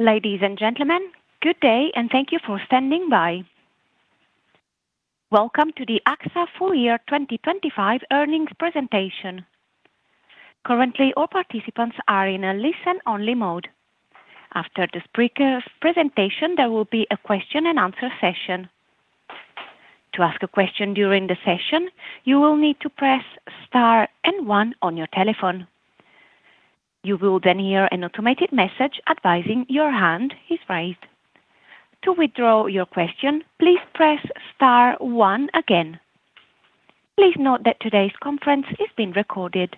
Ladies and gentlemen, good day, thank you for standing by. Welcome to the AXA full year 2025 earnings presentation. Currently, all participants are in a listen-only mode. After the speaker's presentation, there will be a question-and-answer session. To ask a question during the session, you will need to press star and one on your telephone. You will hear an automated message advising your hand is raised. To withdraw your question, please press star one again. Please note that today's conference is being recorded.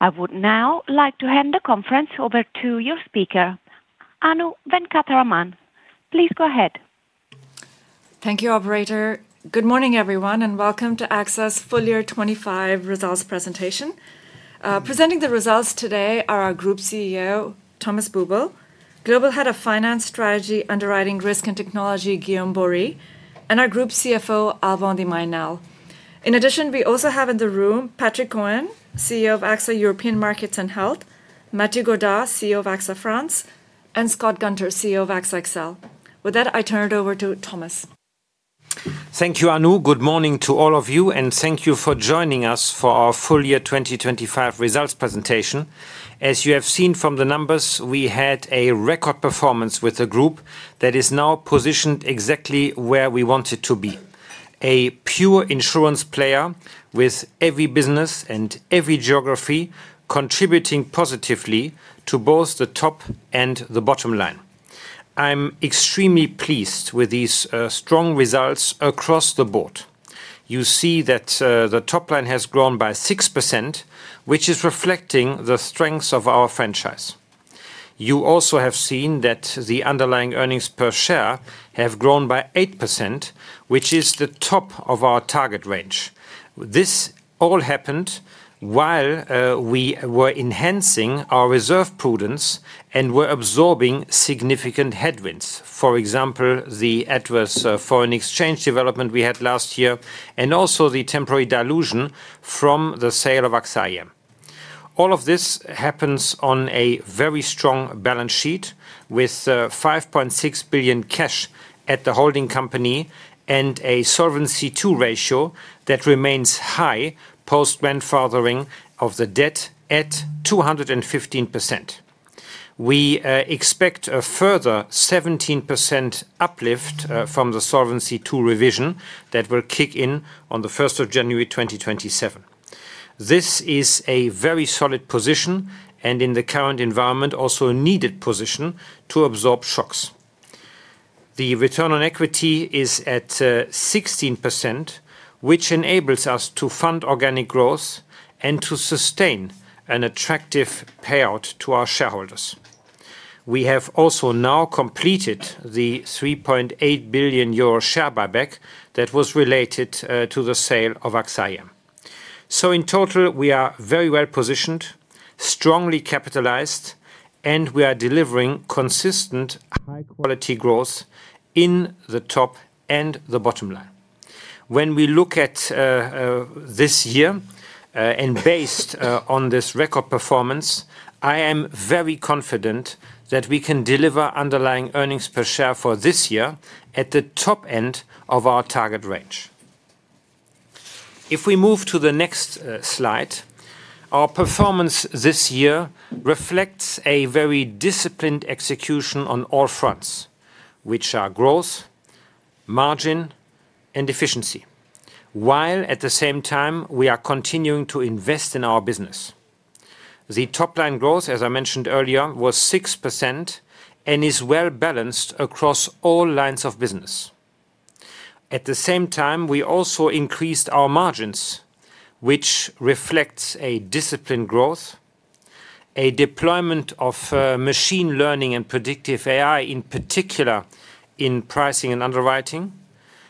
I would now like to hand the conference over to your speaker, Anu Venkataraman. Please go ahead. Thank you, operator. Good morning, everyone, and welcome to AXA's full year 25 results presentation. Presenting the results today are our Group CEO, Thomas Buberl; Global Head of Finance, Strategy, Underwriting, Risk and Technology, Guillaume Borie; and our Group CFO, Alban de Mailly Nesle. In addition, we also have in the room Patrick Cohen, CEO of AXA European Markets & Health, Mathieu Godart, CEO of AXA France, and Scott Gunter, CEO of AXA XL. With that, I turn it over to Thomas. Thank you, Anu. Good morning to all of you, thank you for joining us for our full year 2025 results presentation. As you have seen from the numbers, we had a record performance with the group that is now positioned exactly where we want it to be: a pure insurance player with every business and every geography contributing positively to both the top and the bottom line. I'm extremely pleased with these strong results across the board. You see that the top line has grown by 6%, which is reflecting the strengths of our franchise. You also have seen that the underlying earnings per share have grown by 8%, which is the top of our target range. This all happened while we were enhancing our reserve prudence and were absorbing significant headwinds. For example, the adverse foreign exchange development we had last year, and also the temporary dilution from the sale of AXA IM. All of this happens on a very strong balance sheet with 5.6 billion cash at the holding company and a Solvency II ratio that remains high post-grandfathering of the debt at 215%. We expect a further 17% uplift from the Solvency II revision that will kick in on the first of January 2027. This is a very solid position, and in the current environment, also a needed position to absorb shocks. The return on equity is at 16%, which enables us to fund organic growth and to sustain an attractive payout to our shareholders. We have also now completed the 3.8 billion euro share buyback that was related to the sale of AXA IM. In total, we are very well-positioned, strongly capitalized, and we are delivering consistent, high-quality growth in the top and the bottom line. When we look at this year, and based on this record performance, I am very confident that we can deliver underlying earnings per share for this year at the top end of our target range. If we move to the next slide, our performance this year reflects a very disciplined execution on all fronts, which are growth, margin, and efficiency, while at the same time, we are continuing to invest in our business. The top-line growth, as I mentioned earlier, was 6% and is well-balanced across all lines of business. At the same time, we also increased our margins, which reflects a disciplined growth, a deployment of machine learning and predictive AI, in particular in pricing and underwriting,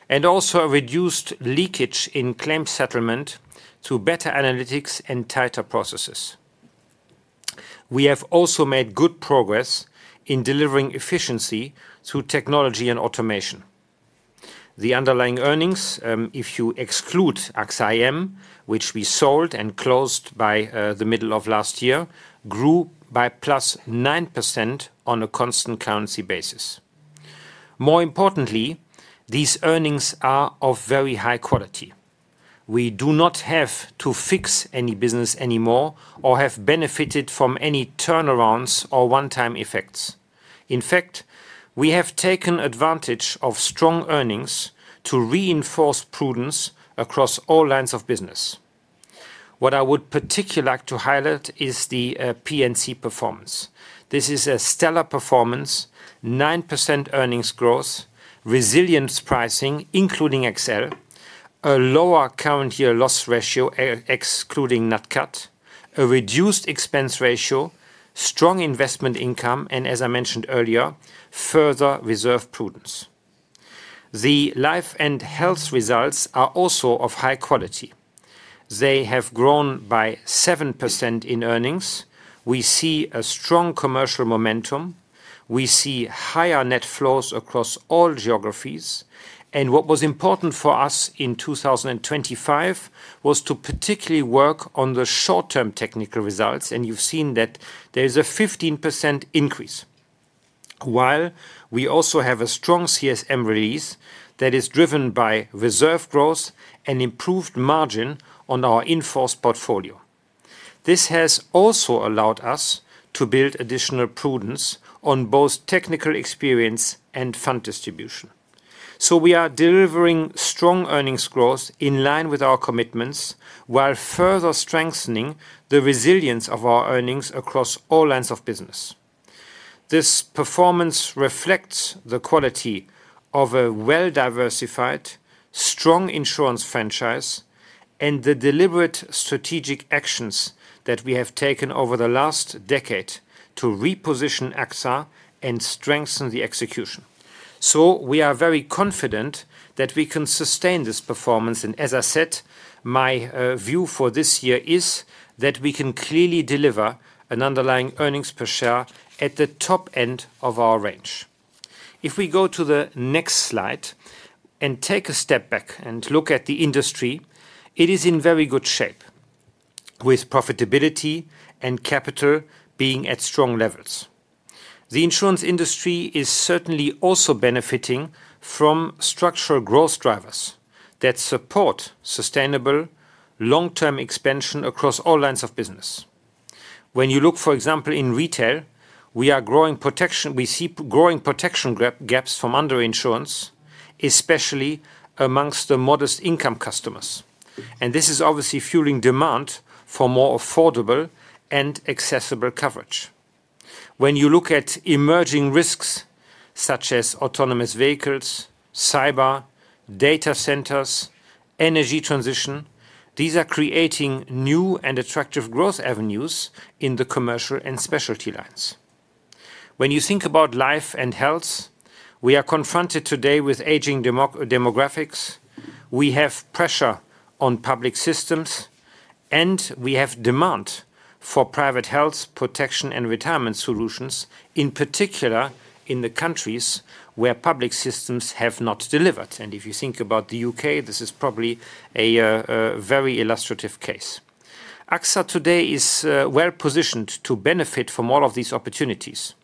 and also a reduced leakage in claim settlement through better analytics and tighter processes. We have also made good progress in delivering efficiency through technology and automation. The underlying earnings, if you exclude AXA IM, which we sold and closed by the middle of last year, grew by +9% on a constant currency basis. More importantly, these earnings are of very high quality. We do not have to fix any business anymore or have benefited from any turnarounds or one-time effects. In fact, we have taken advantage of strong earnings to reinforce prudence across all lines of business. What I would particularly like to highlight is the P&C performance. This is a stellar performance, 9% earnings growth, resilience pricing, including XL, a lower current year loss ratio, excluding Nat Cat, a reduced expense ratio, strong investment income, and as I mentioned earlier, further reserve prudence. The Life and Health results are also of high quality. They have grown by 7% in earnings. We see a strong commercial momentum. We see higher net flows across all geographies. What was important for us in 2025 was to particularly work on the short-term technical results, and you've seen that there is a 15% increase. while we also have a strong CSM release that is driven by reserve growth and improved margin on our in-force portfolio. This has also allowed us to build additional prudence on both technical experience and fund distribution. We are delivering strong earnings growth in line with our commitments, while further strengthening the resilience of our earnings across all lines of business. This performance reflects the quality of a well-diversified, strong insurance franchise and the deliberate strategic actions that we have taken over the last decade to reposition AXA and strengthen the execution. We are very confident that we can sustain this performance. As I said, my view for this year is that we can clearly deliver an underlying earnings per share at the top end of our range. If we go to the next slide and take a step back and look at the industry, it is in very good shape, with profitability and capital being at strong levels. The insurance industry is certainly also benefiting from structural growth drivers that support sustainable long-term expansion across all lines of business. When you look, for example, in Retail, we see growing protection gaps from underinsurance, especially amongst the modest income customers, and this is obviously fueling demand for more affordable and accessible coverage. When you look at emerging risks such as autonomous vehicles, cyber, data centers, energy transition, these are creating new and attractive growth avenues in the commercial and specialty lines. When you think about Life and Health, we are confronted today with aging demographics. We have pressure on public systems, and we have demand for private health protection and retirement solutions, in particular, in the countries where public systems have not delivered. If you think about the U.K., this is probably a very illustrative case. AXA today is well positioned to benefit from all of these opportunities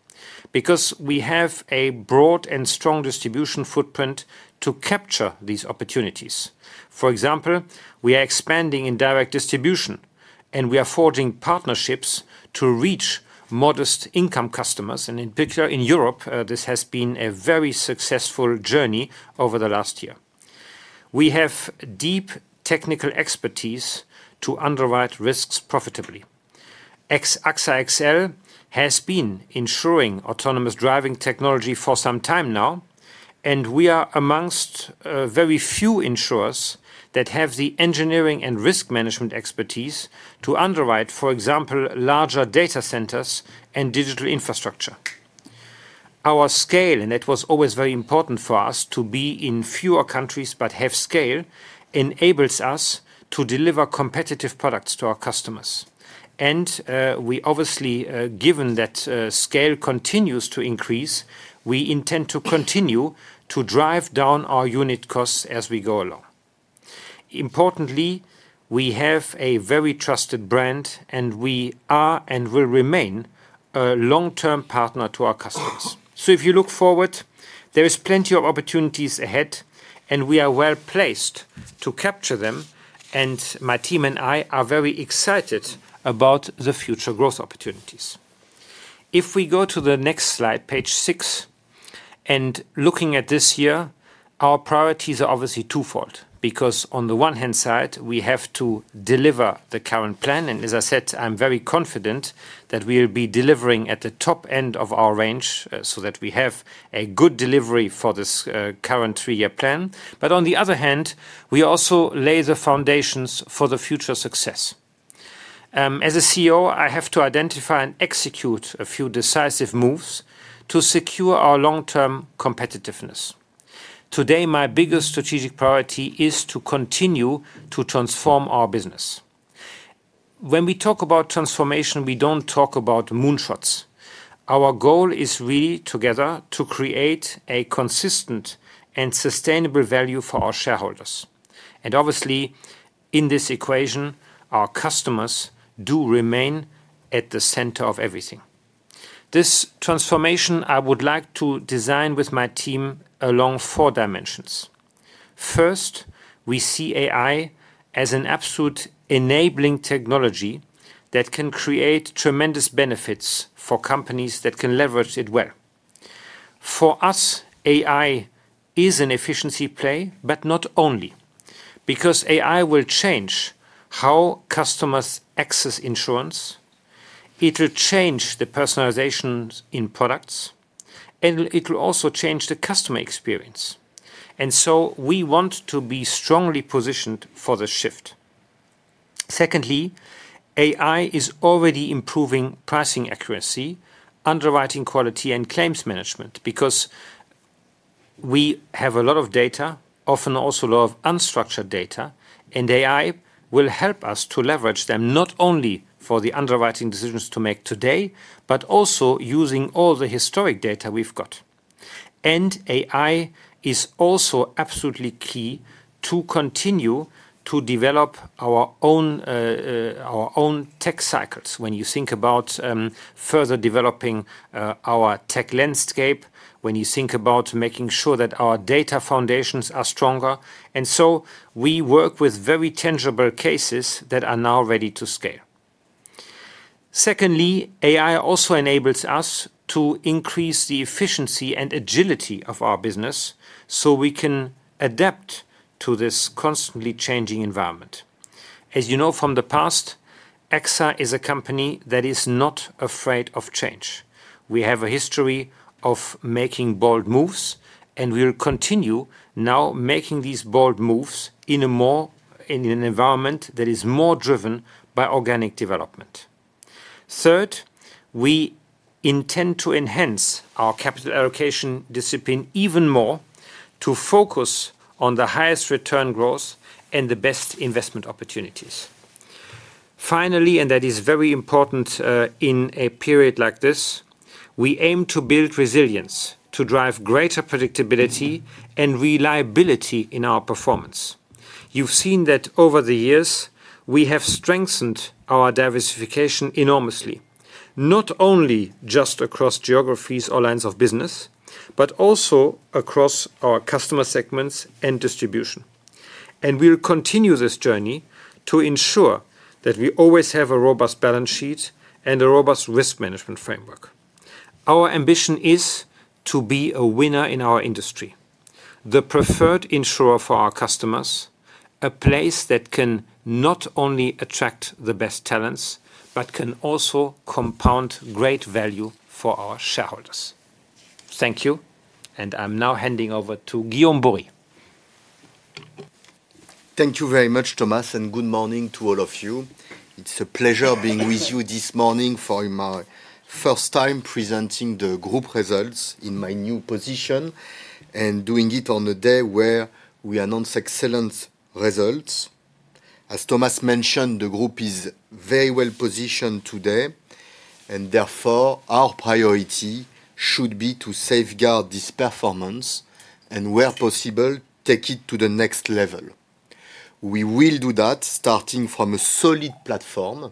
because we have a broad and strong distribution footprint to capture these opportunities. For example, we are expanding in direct distribution, and we are forging partnerships to reach modest income customers, and in particular, in Europe, this has been a very successful journey over the last year. We have deep technical expertise to underwrite risks profitably. AXA XL has been insuring autonomous driving technology for some time now, and we are amongst very few insurers that have the engineering and risk management expertise to underwrite, for example, larger data centers and digital infrastructure. Our scale, and that was always very important for us to be in fewer countries but have scale, enables us to deliver competitive products to our customers. We obviously, given that scale continues to increase, we intend to continue to drive down our unit costs as we go along. Importantly, we have a very trusted brand, and we are, and will remain, a long-term partner to our customers. If you look forward, there is plenty of opportunities ahead, and we are well-placed to capture them, and my team and I are very excited about the future growth opportunities. If we go to the next slide, page six, and looking at this year, our priorities are obviously twofold, because on the one-hand side, we have to deliver the current plan, and as I said, I'm very confident that we'll be delivering at the top end of our range, so that we have a good delivery for this current three-year plan. On the other hand, we also lay the foundations for the future success. As a CEO, I have to identify and execute a few decisive moves to secure our long-term competitiveness. Today, my biggest strategic priority is to continue to transform our business. When we talk about transformation, we don't talk about moonshots. Our goal is we, together, to create a consistent and sustainable value for our shareholders. Obviously, in this equation, our customers do remain at the center of everything. This transformation I would like to design with my team along four dimensions. First, we see AI as an absolute enabling technology that can create tremendous benefits for companies that can leverage it well. For us, AI is an efficiency play, but not only, because AI will change how customers access insurance, it will change the personalizations in products, and it will also change the customer experience. We want to be strongly positioned for the shift. Secondly, AI is already improving pricing accuracy, underwriting quality, and claims management because we have a lot of data, often also a lot of unstructured data, and AI will help us to leverage them, not only for the underwriting decisions to make today, but also using all the historic data we've got. AI is also absolutely key to continue to develop our own, our own tech cycles. When you think about further developing our tech landscape, when you think about making sure that our data foundations are stronger. We work with very tangible cases that are now ready to scale. Secondly, AI also enables us to increase the efficiency and agility of our business so we can adapt to this constantly changing environment. As you know from the past, AXA is a company that is not afraid of change. We have a history of making bold moves, and we'll continue now making these bold moves in an environment that is more driven by organic development. Third, we intend to enhance our capital allocation discipline even more to focus on the highest return growth and the best investment opportunities. Finally, that is very important in a period like this, we aim to build resilience, to drive greater predictability and reliability in our performance. You've seen that over the years, we have strengthened our diversification enormously, not only just across geographies or lines of business, but also across our customer segments and distribution. We'll continue this journey to ensure that we always have a robust balance sheet and a robust risk management framework. Our ambition is to be a winner in our industry, the preferred insurer for our customers, a place that can not only attract the best talents, but can also compound great value for our shareholders. Thank you, and I'm now handing over to Guillaume Borie. Thank you very much, Thomas, and good morning to all of you. It's a pleasure being with you this morning for my first time presenting the group results in my new position, and doing it on a day where we announce excellent results. As Thomas mentioned, the group is very well positioned today, and therefore, our priority should be to safeguard this performance and, where possible, take it to the next level. We will do that starting from a solid platform.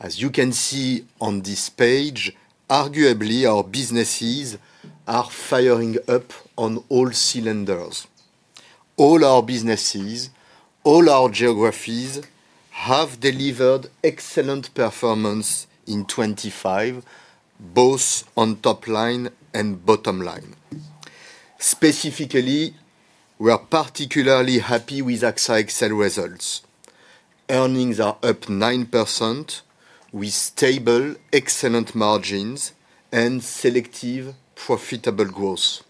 As you can see on this page, arguably, our businesses are firing up on all cylinders. All our businesses, all our geographies, have delivered excellent performance in 2025, both on top line and bottom line. Specifically, we are particularly happy with AXA XL results. Earnings are up 9% with stable, excellent margins and selective, profitable growth.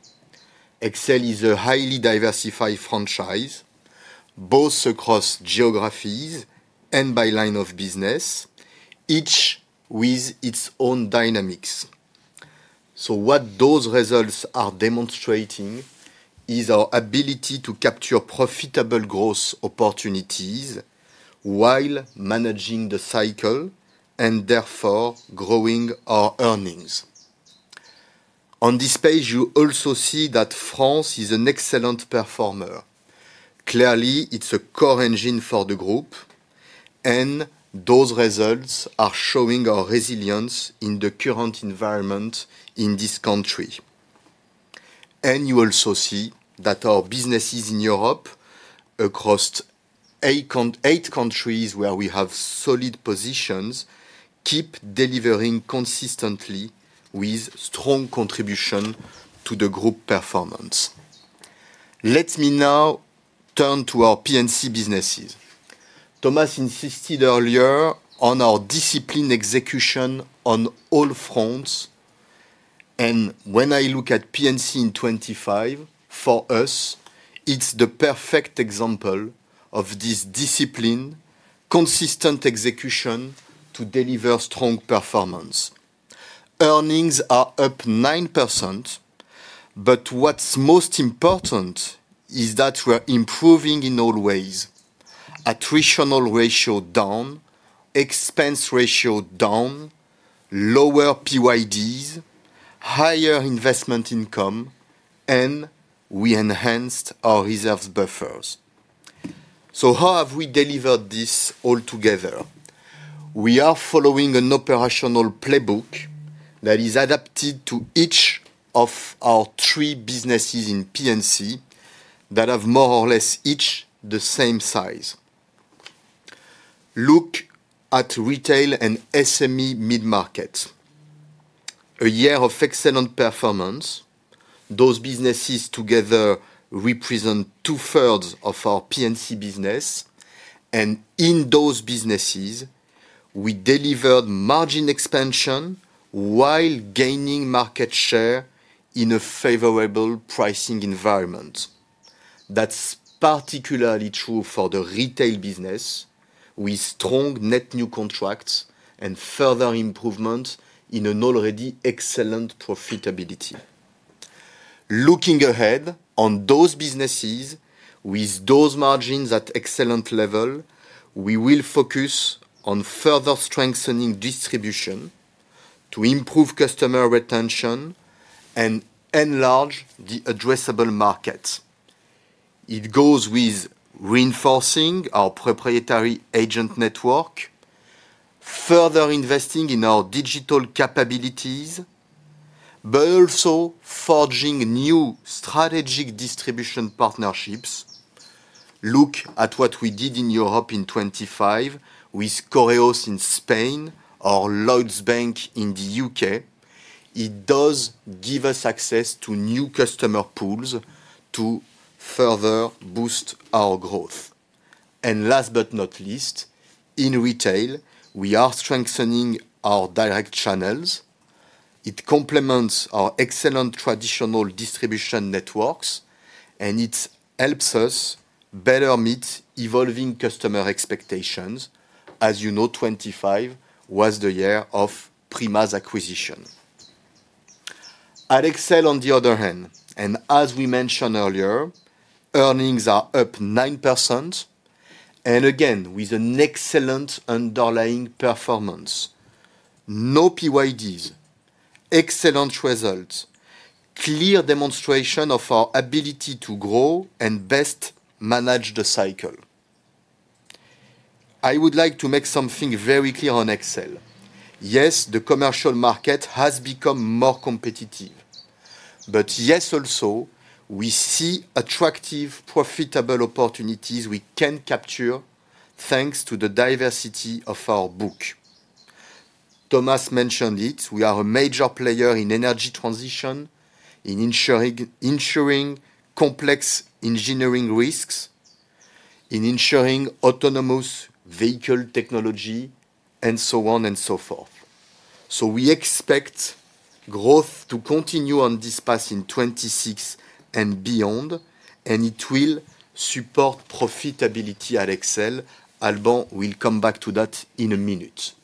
XL is a highly diversified franchise, both across geographies and by line of business, each with its own dynamics. What those results are demonstrating is our ability to capture profitable growth opportunities while managing the cycle and therefore growing our earnings. On this page, you also see that France is an excellent performer. Clearly, it's a core engine for the group, and those results are showing our resilience in the current environment in this country. You also see that our businesses in Europe, across eight countries where we have solid positions, keep delivering consistently with strong contribution to the group performance. Let me now turn to our P&C businesses. Thomas insisted earlier on our discipline execution on all fronts, and when I look at P&C in 25, for us, it's the perfect example of this discipline, consistent execution to deliver strong performance. Earnings are up 9%, what's most important is that we're improving in all ways. Attritional ratio down, expense ratio down, lower PYDs, higher investment income, and we enhanced our reserves buffers. How have we delivered this all together? We are following an operational playbook that is adapted to each of our three businesses in P&C that have more or less each the same size. Look at Retail and SME mid-market. A year of excellent performance, those businesses together represent 2/3 of our P&C business, and in those businesses, we delivered margin expansion while gaining market share in a favorable pricing environment. That's particularly true for the Retail business, with strong net new contracts and further improvement in an already excellent profitability. Looking ahead on those businesses, with those margins at excellent level, we will focus on further strengthening distribution to improve customer retention and enlarge the addressable market. It goes with reinforcing our proprietary agent network, further investing in our digital capabilities, but also forging new strategic distribution partnerships. Look at what we did in Europe in 2025 with Correos in Spain or Lloyds Bank in the U.K. It does give us access to new customer pools to further boost our growth. Last but not least, in Retail, we are strengthening our direct channels. It complements our excellent traditional distribution networks, and it helps us better meet evolving customer expectations. As 2025 was the year of Prima's acquisition. At AXA XL, on the other hand, and as we mentioned earlier, earnings are up 9%, and again, with an excellent underlying performance. No PYDs, excellent results, clear demonstration of our ability to grow and best manage the cycle. I would like to make something very clear on AXA XL. Yes, the commercial market has become more competitive. Yes, also, we see attractive, profitable opportunities we can capture, thanks to the diversity of our book. Thomas mentioned it, we are a major player in energy transition, in insuring complex engineering risks, in insuring autonomous vehicle technology, and so on and so forth. We expect growth to continue on this path in 26 and beyond, and it will support profitability at AXA XL. Alban will come back to that in a minute.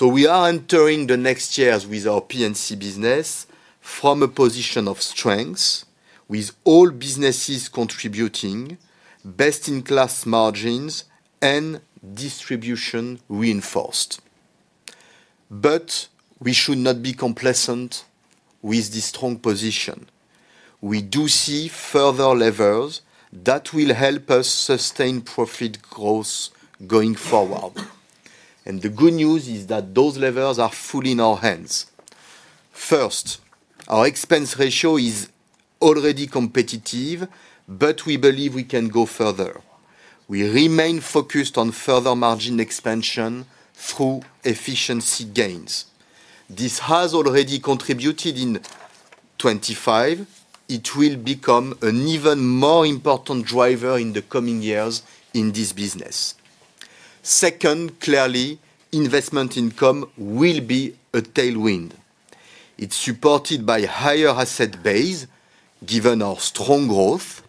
We are entering the next years with our P&C business from a position of strength, with all businesses contributing, best-in-class margins, and distribution reinforced. We should not be complacent with this strong position. We do see further levels that will help us sustain profit growth going forward. The good news is that those levels are fully in our hands. First, our expense ratio is already competitive, but we believe we can go further. We remain focused on further margin expansion through efficiency gains. This has already contributed in 2025. It will become an even more important driver in the coming years in this business. Second, clearly, investment income will be a tailwind. It's supported by higher asset base, given our strong growth,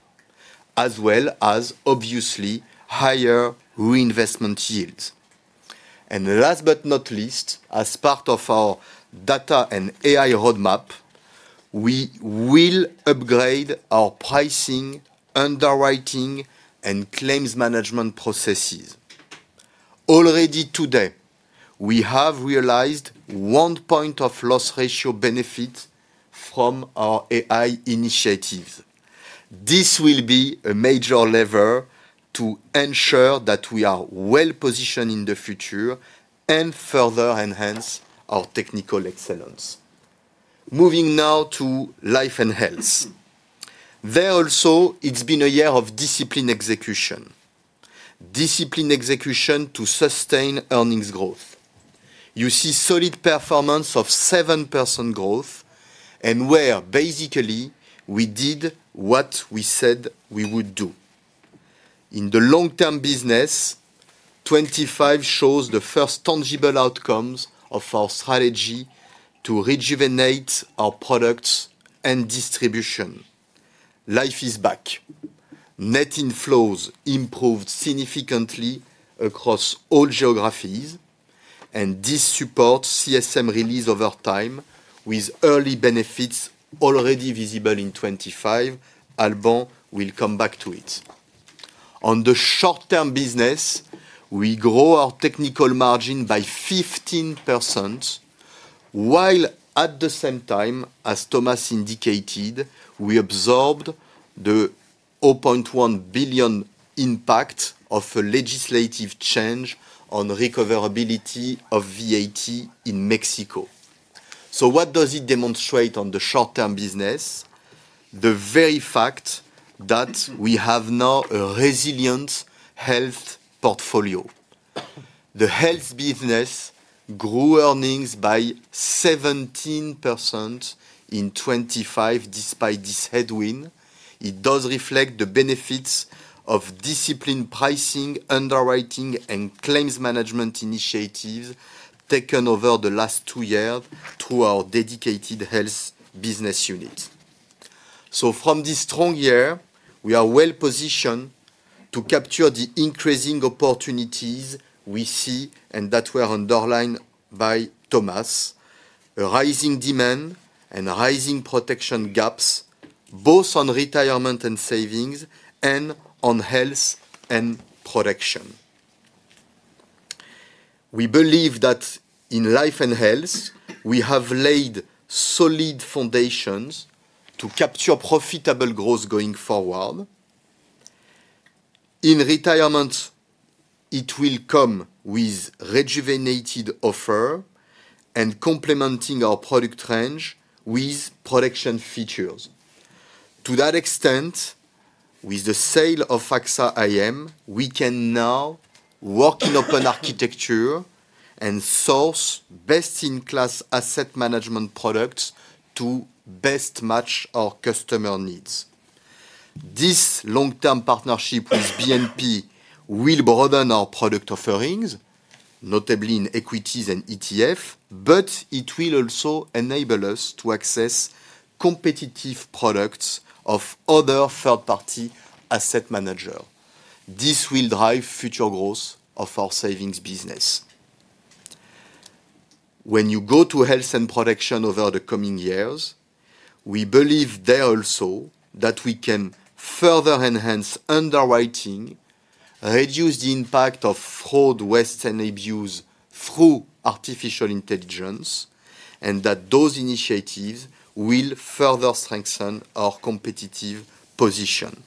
as well as obviously higher reinvestment yields. Last but not least, as part of our data and AI roadmap, we will upgrade our pricing, underwriting, and claims management processes. Already today, we have realized 1 point of loss ratio benefit from our AI initiatives. This will be a major lever to ensure that we are well-positioned in the future and further enhance our technical excellence. Moving now to Life and Health. There also, it's been a year of disciplined execution. Disciplined execution to sustain earnings growth. You see solid performance of 7% growth. Where basically we did what we said we would do. In the long-term business, 2025 shows the first tangible outcomes of our strategy to rejuvenate our products and distribution. Life is back. Net inflows improved significantly across all geographies. This supports CSM release over time, with early benefits already visible in 2025. Alban, we'll come back to it. On the short-term business, we grow our technical margin by 15%, while at the same time, as Thomas indicated, we absorbed the 0.1 billion impact of a legislative change on recoverability of VAT in Mexico. What does it demonstrate on the short-term business? The very fact that we have now a resilient Health portfolio. The Health business grew earnings by 17% in 2025, despite this headwind. It does reflect the benefits of disciplined pricing, underwriting, and claims management initiatives taken over the last two years through our dedicated Health business unit. From this strong year, we are well positioned to capture the increasing opportunities we see and that were underlined by Thomas. A rising demand and rising protection gaps, both on retirement and savings and on health and protection. We believe that in Life and Health, we have laid solid foundations to capture profitable growth going forward. In retirement, it will come with rejuvenated offer and complementing our product range with production features. To that extent, with the sale of AXA IM, we can now work in open architecture and source best-in-class asset management products to best match our customer needs. This long-term partnership with BNP will broaden our product offerings, notably in equities and ETF, but it will also enable us to access competitive products of other third-party asset manager. This will drive future growth of our savings business. When you go to health and protection over the coming years, we believe there also that we can further enhance underwriting, reduce the impact of fraud, waste, and abuse through artificial intelligence, and that those initiatives will further strengthen our competitive position.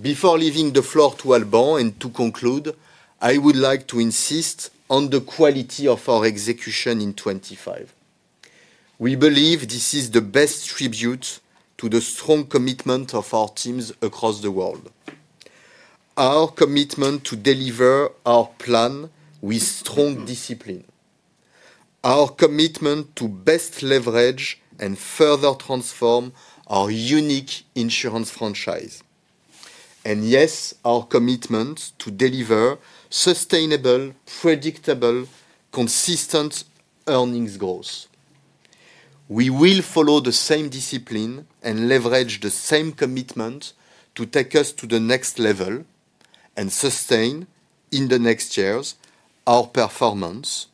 Before leaving the floor to Alban, and to conclude, I would like to insist on the quality of our execution in 25. We believe this is the best tribute to the strong commitment of our teams across the world. Our commitment to deliver our plan with strong discipline, our commitment to best leverage and further transform our unique insurance franchise. Yes, our commitment to deliver sustainable, predictable, consistent earnings growth. We will follow the same discipline and leverage the same commitment to take us to the next level and sustain, in the next years, our performance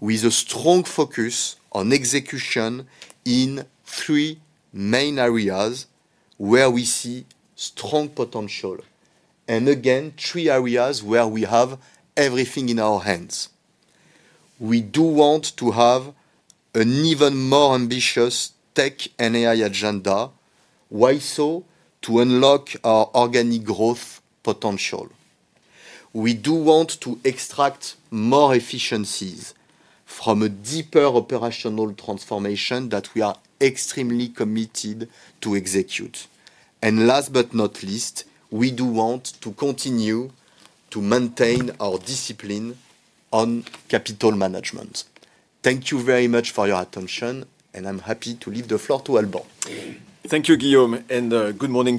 with a strong focus on execution in three main areas where we see strong potential. Again, three areas where we have everything in our hands. We do want to have an even more ambitious tech and AI agenda. Why so? To unlock our organic growth potential. We do want to extract more efficiencies from a deeper operational transformation that we are extremely committed to execute. Last but not least, we do want to continue to maintain our discipline on capital management. Thank you very much for your attention, and I'm happy to leave the floor to Alban. Thank you, Guillaume, good morning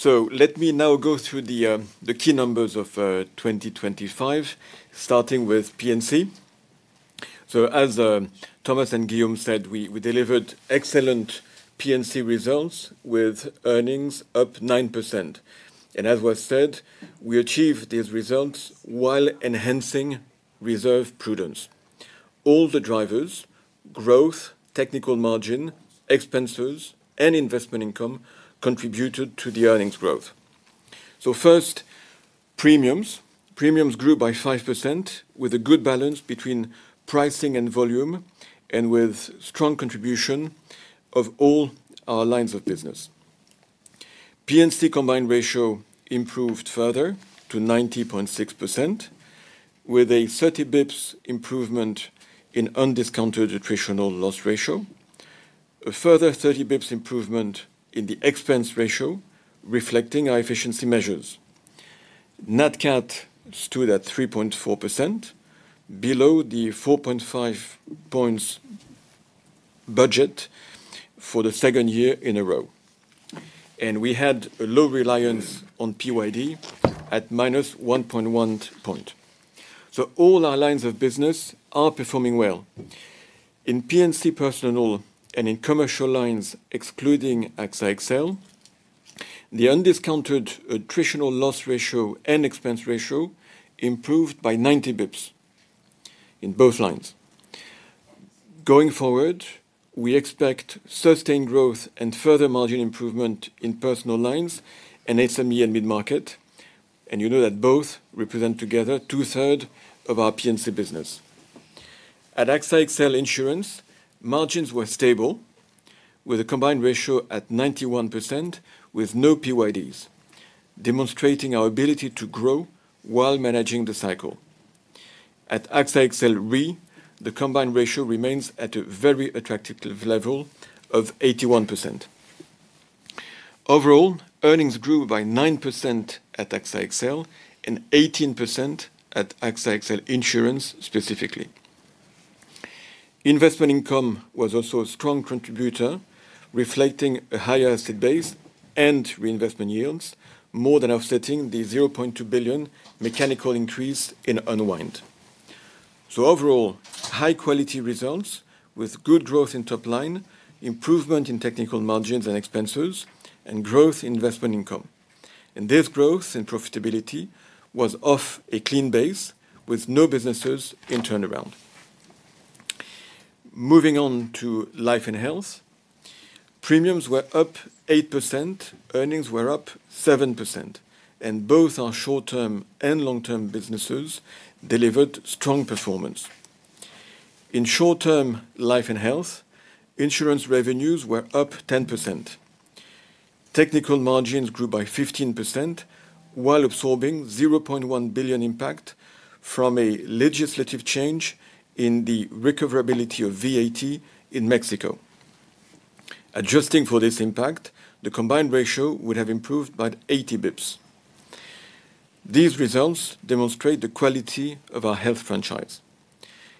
to all. Let me now go through the key numbers of 2025, starting with P&C. As Thomas and Guillaume said, we delivered excellent P&C results with earnings up 9%. As was said, we achieved these results while enhancing reserve prudence. All the drivers, growth, technical margin, expenses, and investment income, contributed to the earnings growth. First, premiums. Premiums grew by 5%, with a good balance between pricing and volume, and with strong contribution of all our lines of business. P&C combined ratio improved further to 90.6%, with a 30 bps improvement in undiscounted attritional loss ratio. A further 30 bps improvement in the expense ratio, reflecting our efficiency measures. Nat Cat stood at 3.4%, below the 4.5-points budget for the second year in a row. We had a low reliance on PYD at -1.1 points. All our lines of business are performing well. In P&C Personal and in Commercial Lines, excluding AXA XL, the undiscounted attritional loss ratio and expense ratio improved by 90 bps in both lines. Going forward, we expect sustained growth and further margin improvement in Personal Lines and SME and mid-market, that both represent together two-third of our P&C business. At AXA XL Insurance, margins were stable, with a combined ratio at 91%, with no PYDs, demonstrating our ability to grow while managing the cycle. At AXA XL Re, the combined ratio remains at a very attractive level of 81%. Overall, earnings grew by 9% at AXA XL and 18% at AXA XL Insurance, specifically. Investment income was also a strong contributor, reflecting a higher asset base and reinvestment yields, more than offsetting the 0.2 billion mechanical increase in unwind. Overall, high quality results with good growth in top line, improvement in technical margins and expenses, and growth in investment income. This growth in profitability was off a clean base with no businesses in turnaround. Moving on to Life and Health. Premiums were up 8%, earnings were up 7%, both our short-term and long-term businesses delivered strong performance. In short-term Life and Health, insurance revenues were up 10%. Technical margins grew by 15% while absorbing 0.1 billion impact from a legislative change in the recoverability of VAT in Mexico. Adjusting for this impact, the combined ratio would have improved by 80 bps. These results demonstrate the quality of our Health franchise,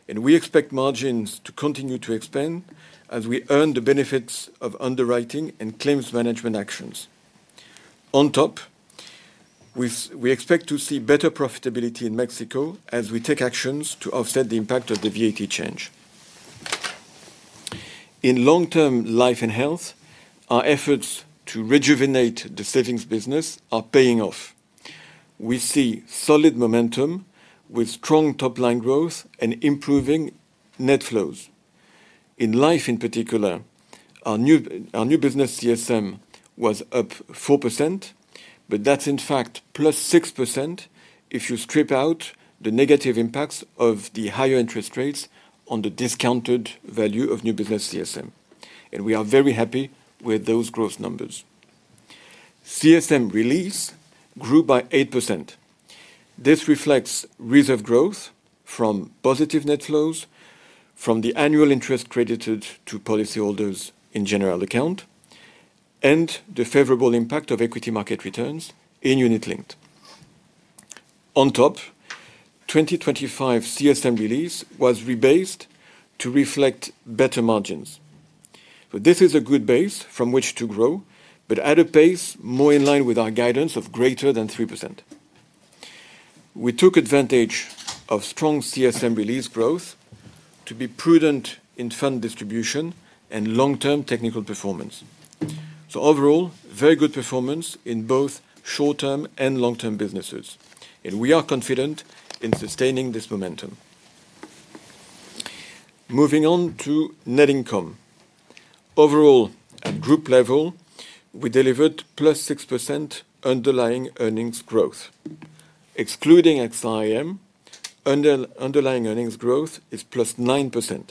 and we expect margins to continue to expand as we earn the benefits of underwriting and claims management actions. On top, we expect to see better profitability in Mexico as we take actions to offset the impact of the VAT change. In long-term Life and Health, our efforts to rejuvenate the savings business are paying off. We see solid momentum with strong top-line growth and improving net flows. In Life, in particular, our new business CSM was up 4%, but that's in fact +6% if you strip out the negative impacts of the higher interest rates on the discounted value of new business CSM, and we are very happy with those growth numbers. CSM release grew by 8%. This reflects reserve growth from positive net flows, from the annual interest credited to policyholders in general account, and the favorable impact of equity market returns in unit-linked. 2025 CSM release was rebased to reflect better margins. This is a good base from which to grow, but at a pace more in line with our guidance of greater than 3%. We took advantage of strong CSM release growth to be prudent in fund distribution and long-term technical performance. Overall, very good performance in both short-term and long-term businesses, and we are confident in sustaining this momentum. Moving on to net income. Overall, at group level, we delivered +6% underlying earnings growth. Excluding AXA IM, underlying earnings growth is +9%.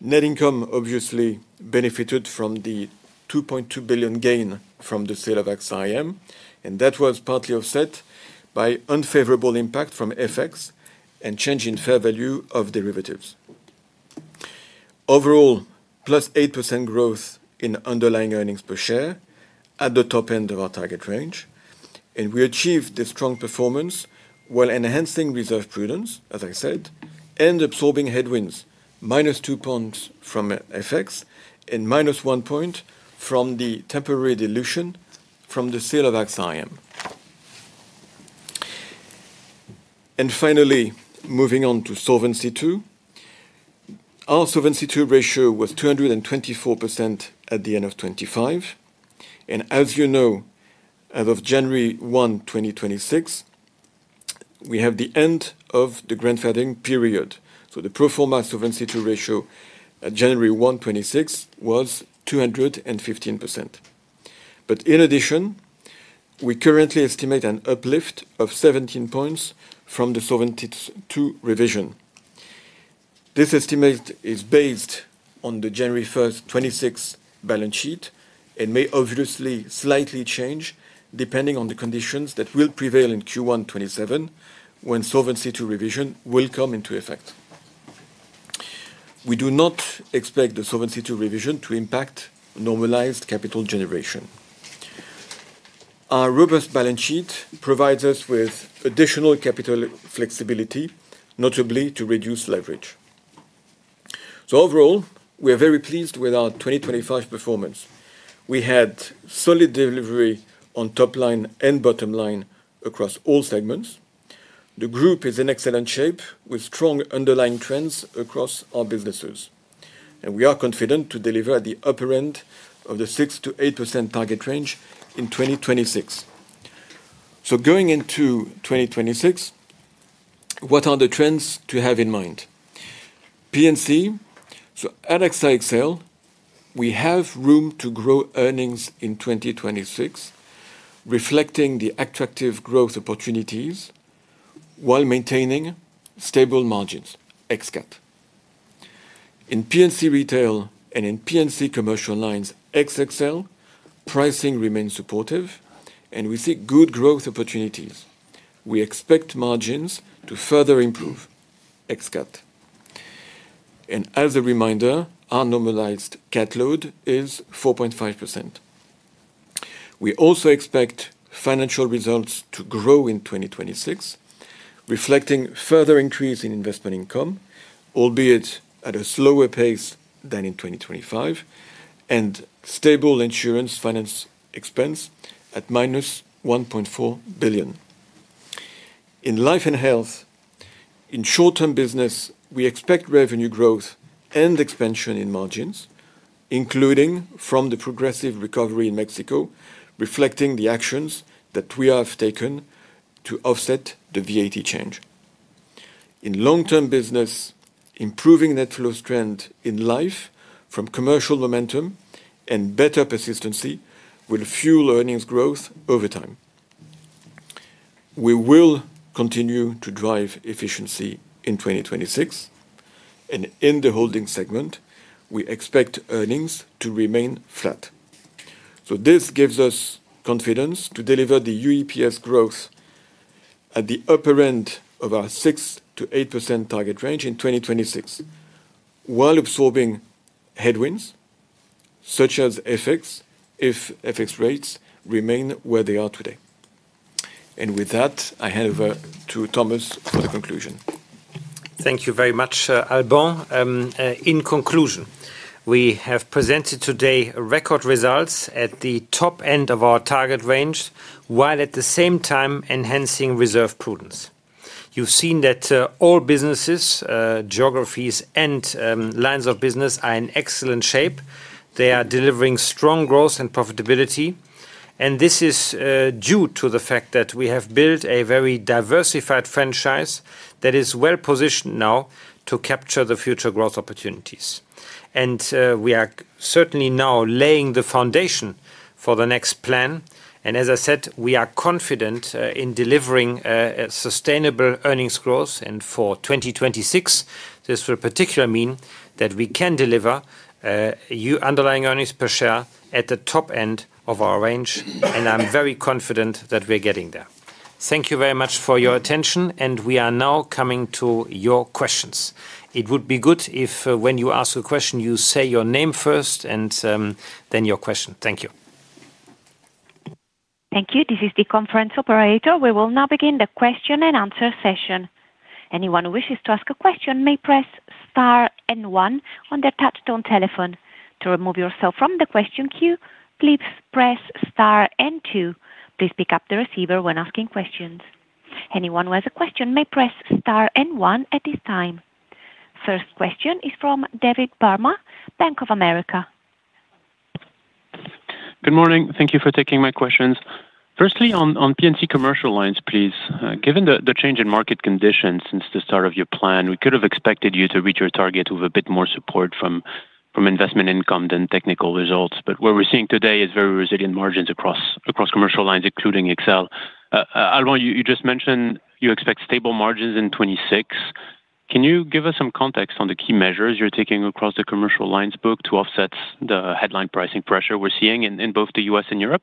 Net income obviously benefited from the 2.2 billion gain from the sale of AXA IM. That was partly offset by unfavorable impact from FX and change in fair value of derivatives. Overall, +8% growth in underlying earnings per share at the top end of our target range. We achieved this strong performance while enhancing reserve prudence, as I said, and absorbing headwinds -2 points from FX and -1 point from the temporary dilution from the sale of AXA IM. Finally, moving on to Solvency II. Our Solvency II ratio was 224% at the end of 2025. As you know, as of January 1, 2026, we have the end of the grandfathering period. The pro forma Solvency II ratio at January 1, 2026, was 215%. In addition, we currently estimate an uplift of 17 points from the Solvency II revision. This estimate is based on the January 1st, 2026 balance sheet and may obviously slightly change depending on the conditions that will prevail in Q1 2027, when Solvency II revision will come into effect. We do not expect the Solvency II revision to impact normalized capital generation. Our robust balance sheet provides us with additional capital flexibility, notably to reduce leverage. Overall, we are very pleased with our 2025 performance. We had solid delivery on top line and bottom line across all segments. The group is in excellent shape, with strong underlying trends across our businesses, and we are confident to deliver at the upper end of the 6%-8% target range in 2026. Going into 2026, what are the trends to have in mind? P&C. At AXA XL, we have room to grow earnings in 2026, reflecting the attractive growth opportunities while maintaining stable margins, ex-cat. In P&C Retail and in P&C Commercial Lines, ex XL, pricing remains supportive, and we see good growth opportunities. We expect margins to further improve, ex-cat. As a reminder, our normalized cat load is 4.5%. We also expect financial results to grow in 2026, reflecting further increase in investment income, albeit at a slower pace than in 2025, and stable insurance finance expense at -1.4 billion. In Life and Health, in short-term business, we expect revenue growth and expansion in margins including from the progressive recovery in Mexico, reflecting the actions that we have taken to offset the VAT change. In long-term business, improving net flow strength in Life from commercial momentum and better persistency will fuel earnings growth over time. We will continue to drive efficiency in 2026, and in the holding segment, we expect earnings to remain flat. This gives us confidence to deliver the UEPS growth at the upper end of our 6%-8% target range in 2026, while absorbing headwinds, such as FX, if FX rates remain where they are today. With that, I hand over to Thomas for the conclusion. Thank you very much, Alban. In conclusion, we have presented today record results at the top end of our target range, while at the same time enhancing reserve prudence. You've seen that all businesses, geographies, and lines of business are in excellent shape. They are delivering strong growth and profitability, this is due to the fact that we have built a very diversified franchise that is well-positioned now to capture the future growth opportunities. We are certainly now laying the foundation for the next plan. As I said, we are confident in delivering a sustainable earnings growth. For 2026, this will particularly mean that we can deliver underlying earnings per share at the top end of our range, and I'm very confident that we're getting there. Thank you very much for your attention, and we are now coming to your questions. It would be good if when you ask a question, you say your name first and then your question. Thank you. Thank you. This is the conference operator. We will now begin the question and answer session. Anyone who wishes to ask a question may press star one on their touchtone telephone. To remove yourself from the question queue, please press star two. Please pick up the receiver when asking questions. Anyone who has a question may press star one at this time. First question is from David Barma, Bank of America. Good morning. Thank you for taking my questions. Firstly, on P&C Commercial Lines, please. Given the change in market conditions since the start of your plan, we could have expected you to reach your target with a bit more support from investment income than technical results. What we're seeing today is very resilient margins across Commercial Lines, including AXA XL. Alban, you just mentioned you expect stable margins in 26. Can you give us some context on the key measures you're taking across the Commercial Lines book to offset the headline pricing pressure we're seeing in both the U.S. and Europe?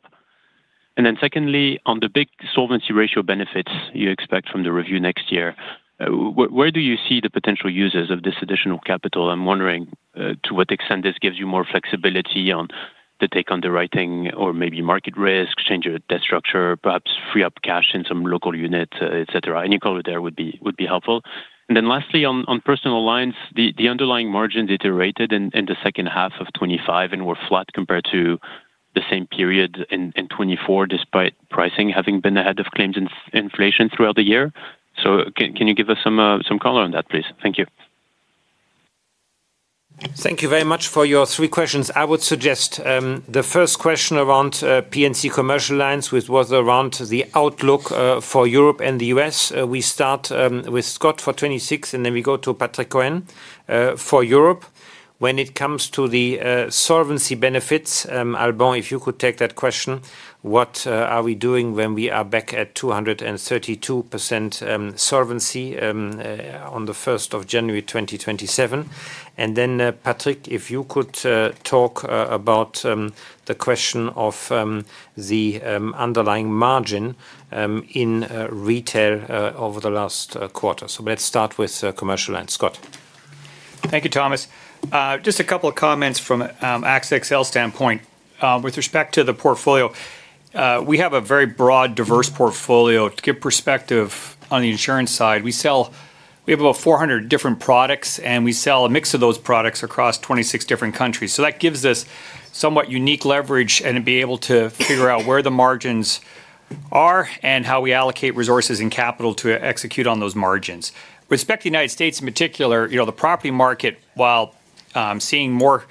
Secondly, on the big solvency ratio benefits you expect from the review next year, where do you see the potential uses of this additional capital? I'm wondering to what extent this gives you more flexibility on the take underwriting or maybe market risk, change your debt structure, perhaps free up cash in some local unit, et cetera. Any color there would be helpful. Lastly, on Personal Lines, the underlying margins iterated in the second half of 2025 and were flat compared to the same period in 2024, despite pricing having been ahead of claims and inflation throughout the year. Can you give us some color on that, please? Thank you. Thank you very much for your three questions. I would suggest the first question around P&C Commercial Lines, which was around the outlook for Europe and the U.S. We start with Scott for 26, then we go to Patrick Cohen for Europe. When it comes to the solvency benefits, Alban, if you could take that question, what are we doing when we are back at 232% solvency on the 1st of January 2027? Then Patrick, if you could talk about the question of the underlying margin in Retail over the last quarter. Let's start with commercial and Scott. Thank you, Thomas. Just a couple of comments from AXA XL standpoint. With respect to the portfolio, we have a very broad, diverse portfolio. To give perspective on the insurance side, we sell. We have about 400 different products, and we sell a mix of those products across 26 different countries. That gives us somewhat unique leverage and to be able to figure out where the margins are and how we allocate resources and capital to execute on those margins. With respect to United States in particular, the property market, while seeing more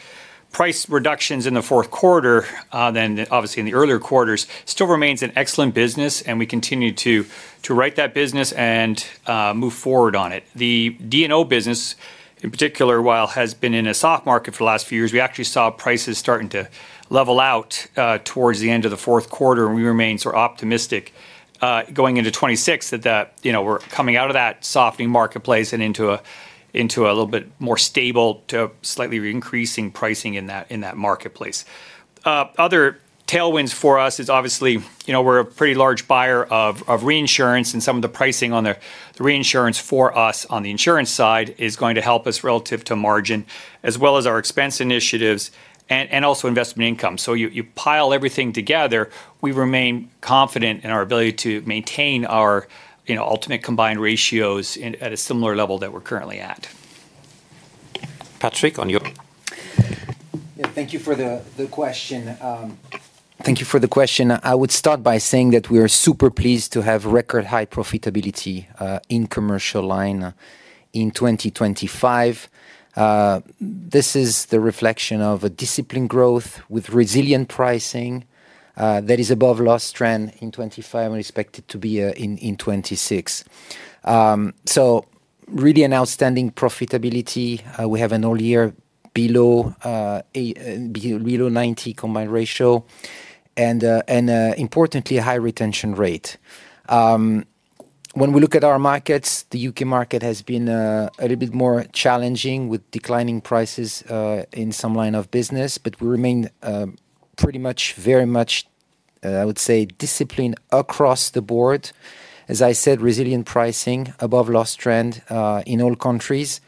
price reductions in the fourth quarter than obviously in the earlier quarters, still remains an excellent business, and we continue to write that business and move forward on it. The D&O business, in particular, while has been in a soft market for the last few years, we actually saw prices starting to level out towards the end of the fourth quarter. We remain optimistic going into 2026 that we're coming out of that softening marketplace and into a little bit more stable to slightly increasing pricing in that marketplace. Other tailwinds for us is obviously, we're a pretty large buyer of reinsurance, and some of the pricing on the reinsurance for us on the insurance side is going to help us relative to margin, as well as our expense initiatives and also investment income. You pile everything together, we remain confident in our ability to maintain our ultimate combined ratios at a similar level that we're currently at. Patrick, on you. Yeah, thank you for the question. Thank you for the question. I would start by saying that we are super pleased to have record high profitability in Commercial Lines in 2025. This is the reflection of a disciplined growth with resilient pricing that is above loss trend in 2025 and expected to be in 2026. Really an outstanding profitability. We have an all year below 90 combined ratio and importantly, a high retention rate. When we look at our markets, the U.K. market has been a little bit more challenging with declining prices in some line of business, but we remain very much, I would say, disciplined across the board. As I said, resilient pricing above loss trend, in all countries,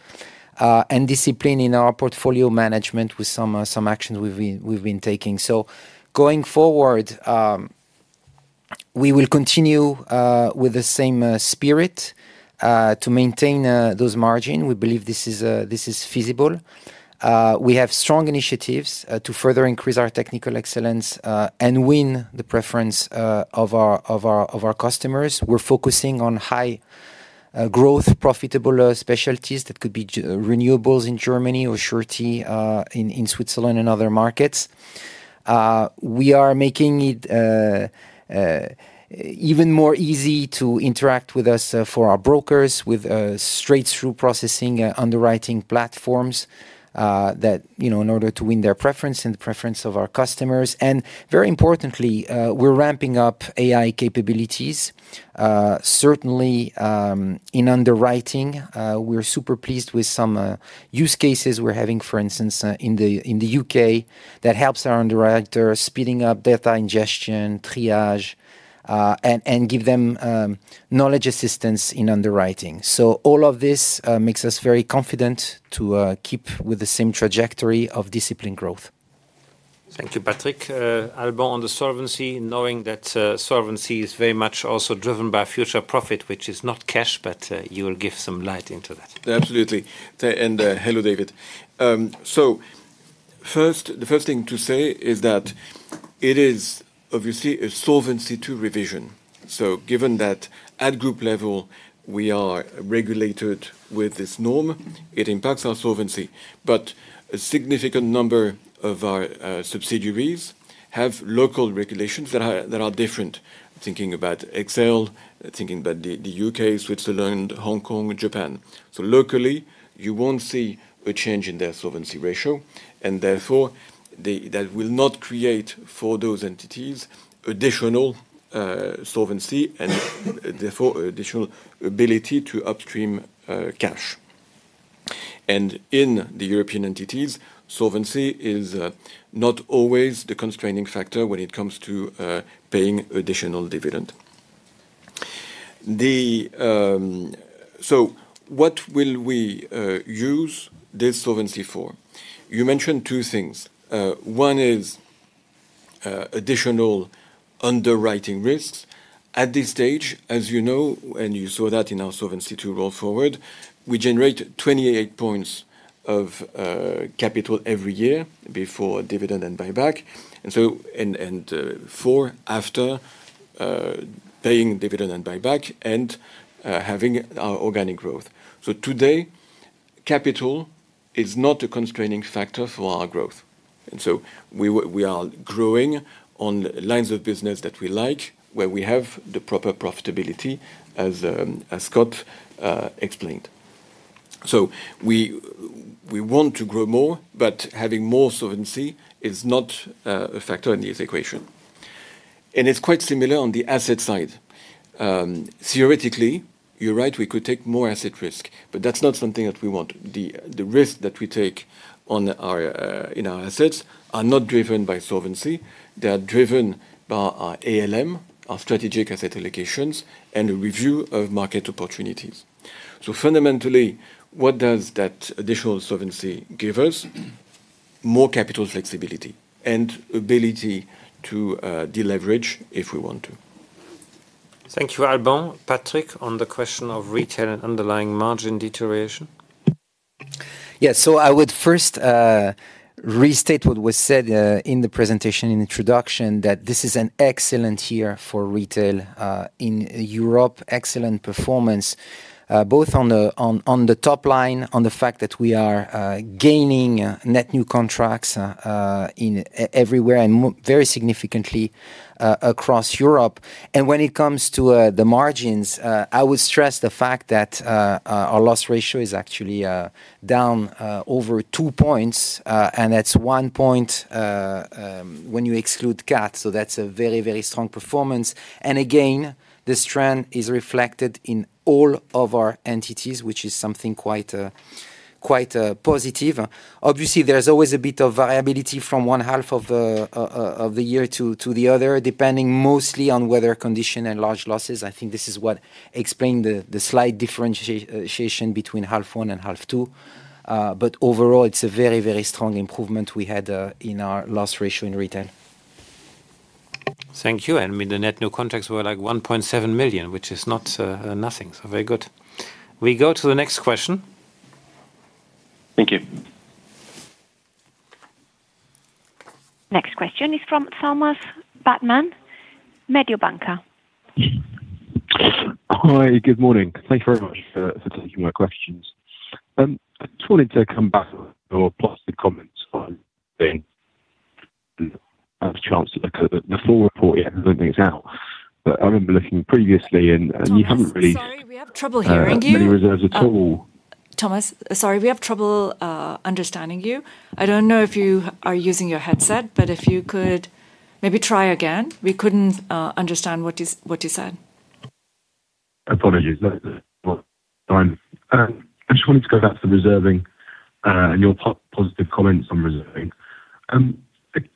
and discipline in our portfolio management with some actions we've been taking. Going forward, we will continue with the same spirit, to maintain those margin. We believe this is feasible. We have strong initiatives, to further increase our technical excellence, and win the preference, of our customers. We're focusing on high, growth, profitable, specialties that could be renewables in Germany or surety, in Switzerland and other markets. We are making it even more easy to interact with us, for our brokers with, straight-through processing, underwriting platforms, that, you know, in order to win their preference and the preference of our customers. Very importantly, we're ramping up AI capabilities. Certainly, in underwriting, we're super pleased with some use cases we're having, for instance, in the U.K., that helps our underwriter, speeding up data ingestion, triage, and give them knowledge assistance in underwriting. All of this makes us very confident to keep with the same trajectory of disciplined growth. Thank you, Patrick. Alban, on the solvency, knowing that solvency is very much also driven by future profit, which is not cash, but you will give some light into that. Absolutely. And hello, David. First, the first thing to say is that it is obviously a Solvency II revision. Given that at group level we are regulated with this norm, it impacts our solvency. A significant number of our subsidiaries have local regulations that are different. Thinking about AXA XL, thinking about the U.K., Switzerland, Hong Kong, and Japan. Locally, you won't see a change in their solvency ratio, and therefore, that will not create for those entities additional solvency and, therefore additional ability to upstream cash. In the European entities, solvency is not always the constraining factor when it comes to paying additional dividend. What will we use this solvency for? You mentioned two things. One is additional underwriting risks. At this stage, as you know, and you saw that in our Solvency II roll forward, we generate 28 points of capital every year before dividend and buyback, and so, and 4 after paying dividend and buyback and having our organic growth. Today, capital is not a constraining factor for our growth, and so we are growing on lines of business that we like, where we have the proper profitability, as Scott explained. We want to grow more, but having more solvency is not a factor in this equation. It's quite similar on the asset side. Theoretically, you're right, we could take more asset risk, but that's not something that we want. The risk that we take on our in our assets are not driven by solvency, they are driven by our ALM, our strategic asset allocations, and a review of market opportunities. Fundamentally, what does that additional solvency give us? More capital flexibility and ability to deleverage if we want to. Thank you, Alban. Patrick, on the question of Retail and underlying margin deterioration. I would first restate what was said in the presentation, in introduction, that this is an excellent year for Retail in Europe. Excellent performance, both on the top line, on the fact that we are gaining net new contracts everywhere and very significantly across Europe. When it comes to the margins, I would stress the fact that our loss ratio is actually down over two points, and that's one point when you exclude cat, so that's a very, very strong performance. Again, this trend is reflected in all of our entities, which is something quite positive. Obviously, there's always a bit of variability from one half of the year to the other, depending mostly on weather condition and large losses. I think this is what explained the slight differentiation between half one and half two. Overall, it's a very strong improvement we had in our loss ratio in Retail. Thank you. I mean, the net new contracts were like 1.7 million, which is not nothing, very good. We go to the next question. Thank you. Next question is from Thomas Bateman, Mediobanca. Hi, good morning. Thank you very much for taking my questions. I just wanted to come back on your positive comments on then, as chancellor, because the full report, yeah, I don't think it's out. I remember looking previously and you haven't really. Thomas, sorry, we have trouble hearing you. Many reserves at all. Thomas, sorry, we have trouble understanding you. I don't know if you are using your headset, if you could maybe try again. We couldn't understand what you said. Apologies. No, well, fine. I just wanted to go back to the reserving and your positive comments on reserving. Could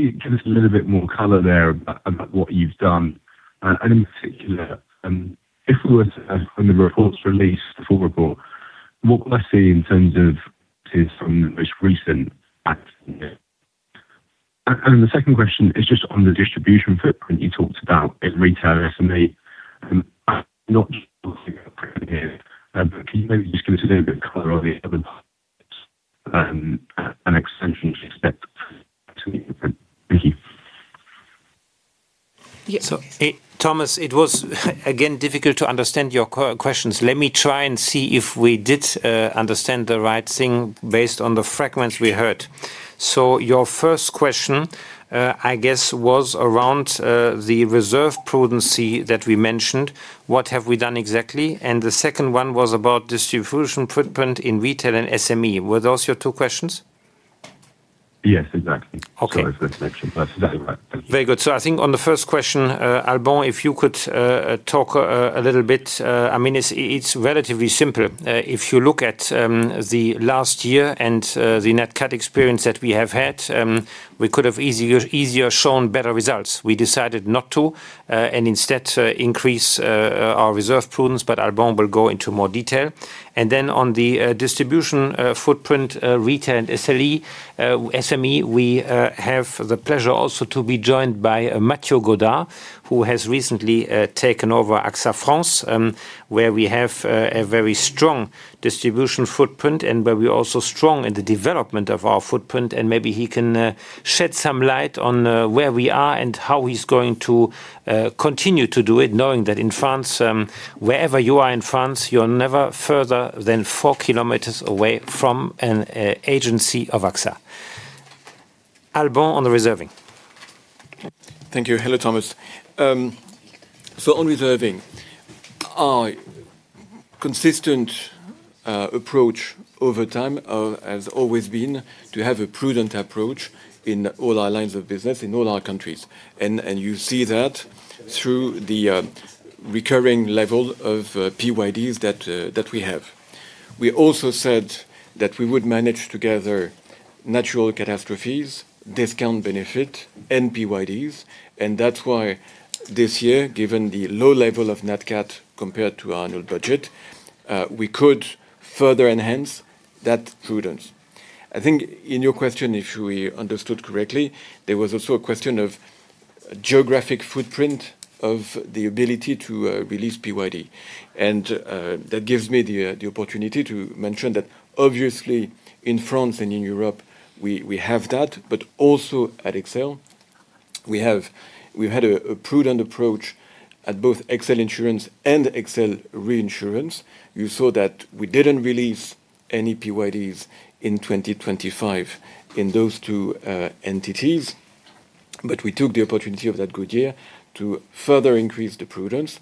you give us a little bit more color there about what you've done and in particular, if we were to, when the report's released, the full report, what will I see in terms of to some of the most recent facts in there? The second question is just on the distribution footprint you talked about in Retail SME. Not just here, can you maybe just give us a little bit of color on the other, an extension you expect to me? Thank you. Yeah. Thomas, it was again, difficult to understand your questions. Let me try and see if we did understand the right thing based on the fragments we heard. Your first question, I guess, was around the reserve prudence that we mentioned, what have we done exactly, and the second one was about distribution footprint in Retail and SME. Were those your two questions? Yes, exactly. Okay. Sorry for the connection. That's right. Thank you. Very good. I think on the first question, Alban, if you could talk a little bit. I mean, it's relatively simple. If you look at the last year and the Nat Cat experience that we have had, we could have easier shown better results. We decided not to, and instead, increase our reserve prudence, but Alban will go into more detail. Then on the distribution footprint, Retail and SME, we have the pleasure also to be joined by Guillaume Borie, who has recently taken over AXA France, where we have a very strong distribution footprint and where we're also strong in the development of our footprint. Maybe he can shed some light on where we are and how he's going to continue to do it, knowing that in France, wherever you are in France, you're never further than 4 km away from an agency of AXA. Alban, on the reserving. Thank you. Hello, Thomas. On reserving, our consistent approach over time has always been to have a prudent approach in all our lines of business, in all our countries. You see that through the recurring level of PYDs that we have. We also said that we would manage together natural catastrophes, discount benefit, and PYDs, that's why this year, given the low level of Nat Cat compared to our annual budget, we could further enhance that prudence. I think in your question, if we understood correctly, there was also a question of geographic footprint, of the ability to release PYD. That gives me the opportunity to mention that obviously in France and in Europe, we have that, but also at AXA XL. We've had a prudent approach at both AXA XL Insurance and AXA XL Reinsurance. You saw that we didn't release any PYDs in 2025 in those two entities, but we took the opportunity of that good year to further increase the prudence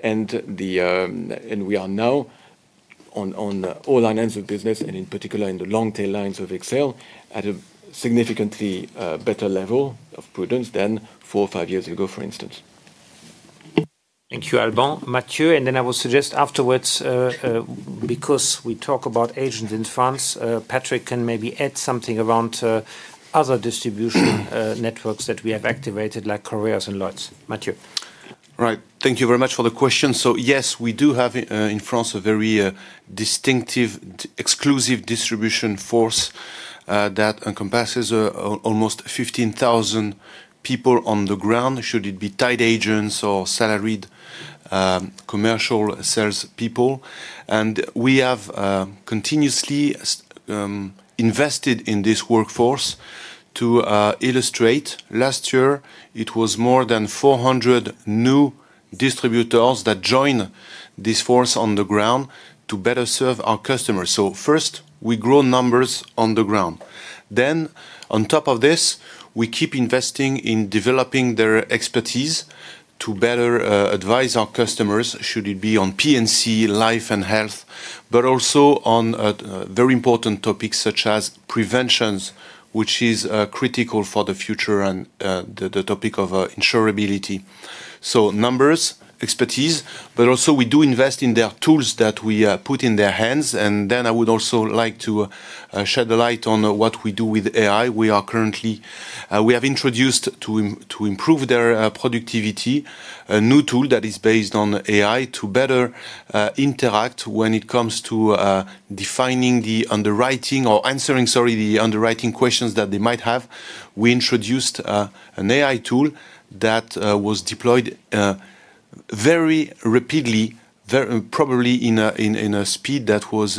and the. We are now on all our lines of business, and in particular, in the long tail lines of AXA XL, at a significantly better level of prudence than four or five years ago, for instance. Thank you, Alban. Mathieu, I will suggest afterwards, because we talk about agents in France, Patrick can maybe add something around other distribution networks that we have activated, like Carrefour and lots. Mathieu. Right. Thank you very much for the question. Yes, we do have in France, a very distinctive, exclusive distribution force that encompasses almost 15,000 people on the ground, should it be tied agents or salaried commercial sales people. We have continuously invested in this workforce. To illustrate, last year it was more than 400 new distributors that joined this force on the ground to better serve our customers. First, we grow numbers on the ground. On top of this, we keep investing in developing their expertise to better advise our customers, should it be on P&C, Life and Health, but also on very important topics such as preventions, which is critical for the future and the topic of insurability. Numbers, expertise, but also we do invest in their tools that we put in their hands. I would also like to shed the light on what we do with AI. We have introduced to improve their productivity, a new tool that is based on AI to better interact when it comes to defining the underwriting or answering, sorry, the underwriting questions that they might have. We introduced an AI tool that was deployed very rapidly, probably in a speed that was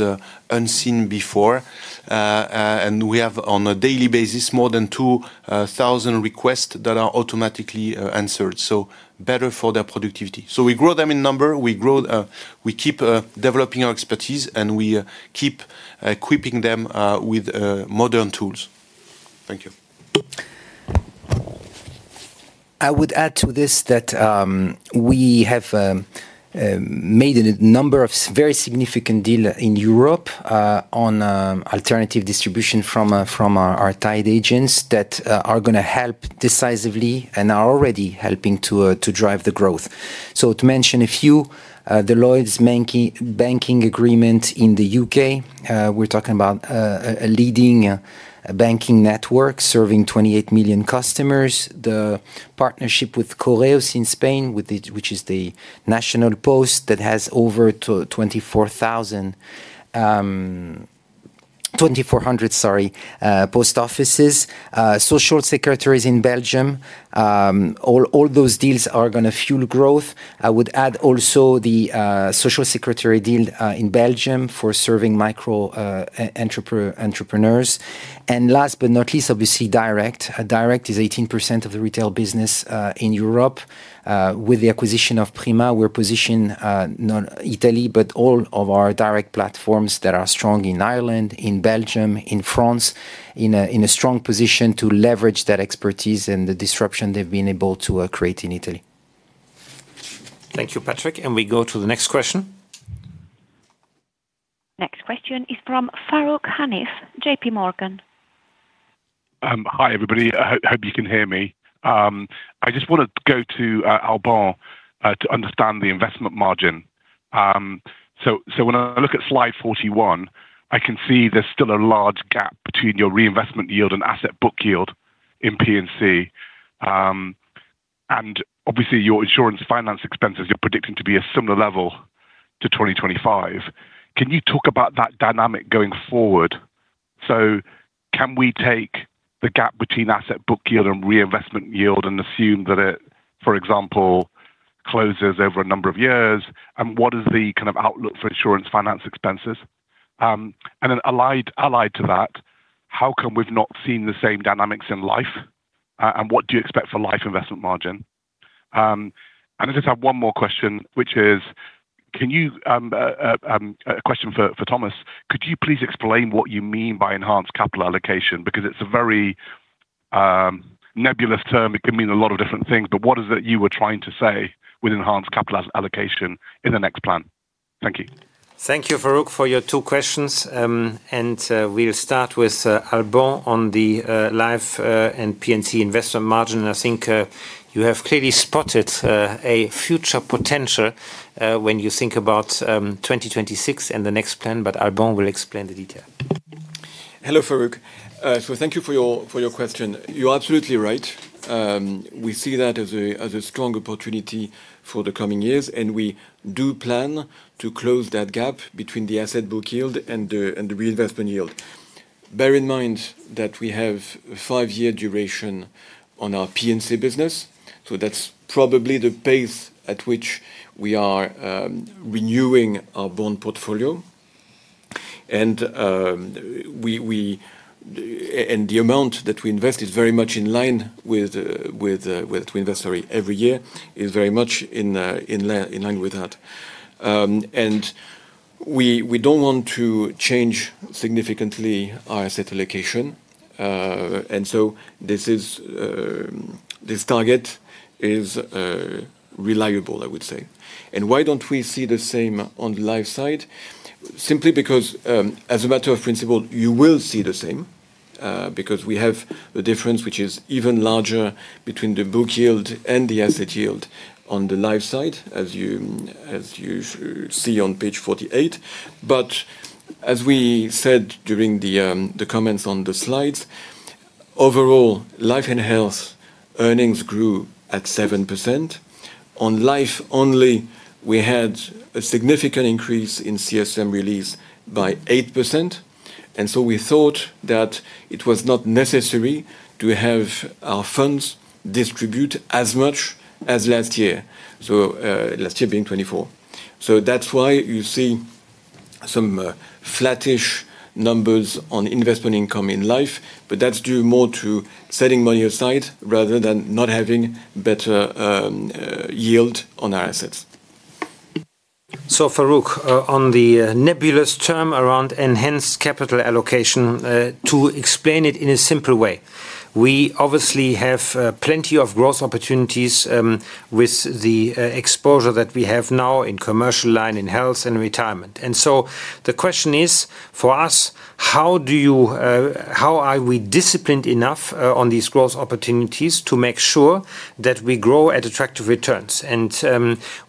unseen before. We have, on a daily basis, more than 2,000 requests that are automatically answered, so better for their productivity. We grow them in number, we grow, we keep developing our expertise, and we keep equipping them with modern tools. Thank you. I would add to this that we have made a number of very significant deal in Europe on alternative distribution from our tied agents that are gonna help decisively and are already helping to drive the growth. To mention a few, the Lloyds Bank agreement in the U.K. We're talking about a leading banking network serving 28 million customers. The partnership with Correos in Spain, which is the national post that has over 2,400, sorry, post offices. Social Secretariats in Belgium. All those deals are gonna fuel growth. I would add also the Social Secretariats deal in Belgium for serving micro-entrepreneurs. Last but not least, obviously, Direct. Direct is 18% of the Retail business, in Europe. With the acquisition of Prima, we're positioned, not Italy, but all of our Direct platforms that are strong in Ireland, in Belgium, in France, in a strong position to leverage that expertise and the disruption they've been able to create in Italy. Thank you, Patrick. We go to the next question. Next question is from Farooq Hanif, JPMorgan. Hi, everybody. I hope you can hear me. I just want to go to Alban to understand the investment margin. When I look at slide 41, I can see there's still a large gap between your reinvestment yield and asset book yield in P&C. Obviously, your insurance finance expenses, you're predicting to be a similar level to 2025. Can you talk about that dynamic going forward? Can we take the gap between asset book yield and reinvestment yield and assume that it, for example, closes over a number of years? What is the kind of outlook for insurance finance expenses? Allied to that, how come we've not seen the same dynamics in Life, and what do you expect for Life investment margin? I just have one more question, which is, can you a question for Thomas: Could you please explain what you mean by enhanced capital allocation? It's a very nebulous term, it can mean a lot of different things, but what is it you were trying to say with enhanced capital allocation in the next plan? Thank you. Thank you, Farooq, for your two questions. We'll start with Alban on the Life and P&C investment margin. I think you have clearly spotted a future potential when you think about 2026 and the next plan. Alban will explain the detail. Hello, Farooq. Thank you for your question. You're absolutely right. We see that as a strong opportunity for the coming years, and we do plan to close that gap between the asset book yield and the reinvestment yield. Bear in mind that we have a five-year duration on our P&C business, so that's probably the pace at which we are renewing our bond portfolio. The amount that we invest is very much in line with, sorry, every year, is very much in line with that. We don't want to change significantly our asset allocation, this is, this target is reliable, I would say. Why don't we see the same on the Life side? Simply because, as a matter of principle, you will see the same, because we have a difference which is even larger between the book yield and the asset yield on the Life side, as you see on page 48. As we said during the comments on the slides, overall, Life and Health earnings grew at 7%. On Life only, we had a significant increase in CSM release by 8%, and so we thought that it was not necessary to have our funds distribute as much as last year, so last year being 2024. That's why you see some flattish numbers on investment income in Life, but that's due more to setting money aside rather than not having better yield on our assets. Farooq, on the nebulous term around enhanced capital allocation, to explain it in a simple way, we obviously have plenty of growth opportunities, with the exposure that we have now in Commercial Lines, in Health and Retirement. The question is, for us, how do you, how are we disciplined enough, on these growth opportunities to make sure that we grow at attractive returns?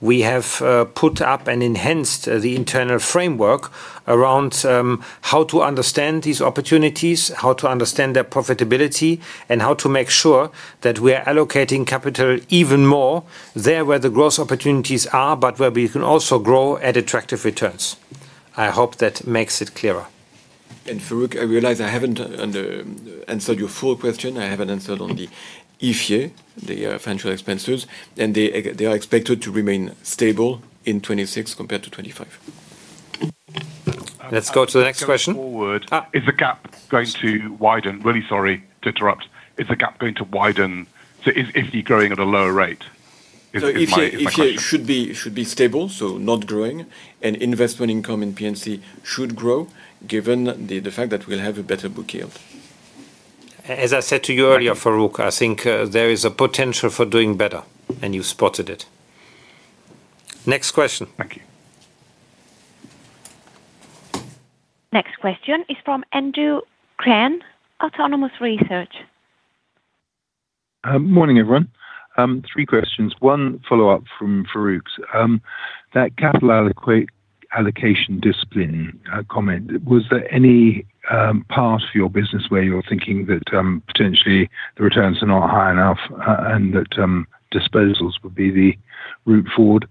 We have put up and enhanced the internal framework around how to understand these opportunities, how to understand their profitability, and how to make sure that we are allocating capital even more there where the growth opportunities are, but where we can also grow at attractive returns. I hope that makes it clearer. Farooq, I realize I haven't answered your full question. I haven't answered on the IFRS, the financial expenses, they are expected to remain stable in 2026 compared to 2025. Let's go to the next question. Going forward. Is the gap going to widen? Really sorry to interrupt. Is the gap going to widen, so if you're growing at a lower rate is my question. It should be stable, so not growing, and investment income in P&C should grow given the fact that we'll have a better book yield. As I said to you earlier, Farooq, I think, there is a potential for doing better, and you spotted it. Next question. Thank you. Next question is from Andrew Crean, Autonomous Research. Morning, everyone. Three questions, one follow-up from Farooq's. That capital allocation discipline comment, was there any part of your business where you're thinking that potentially the returns are not high enough, and that disposals would be the route forward?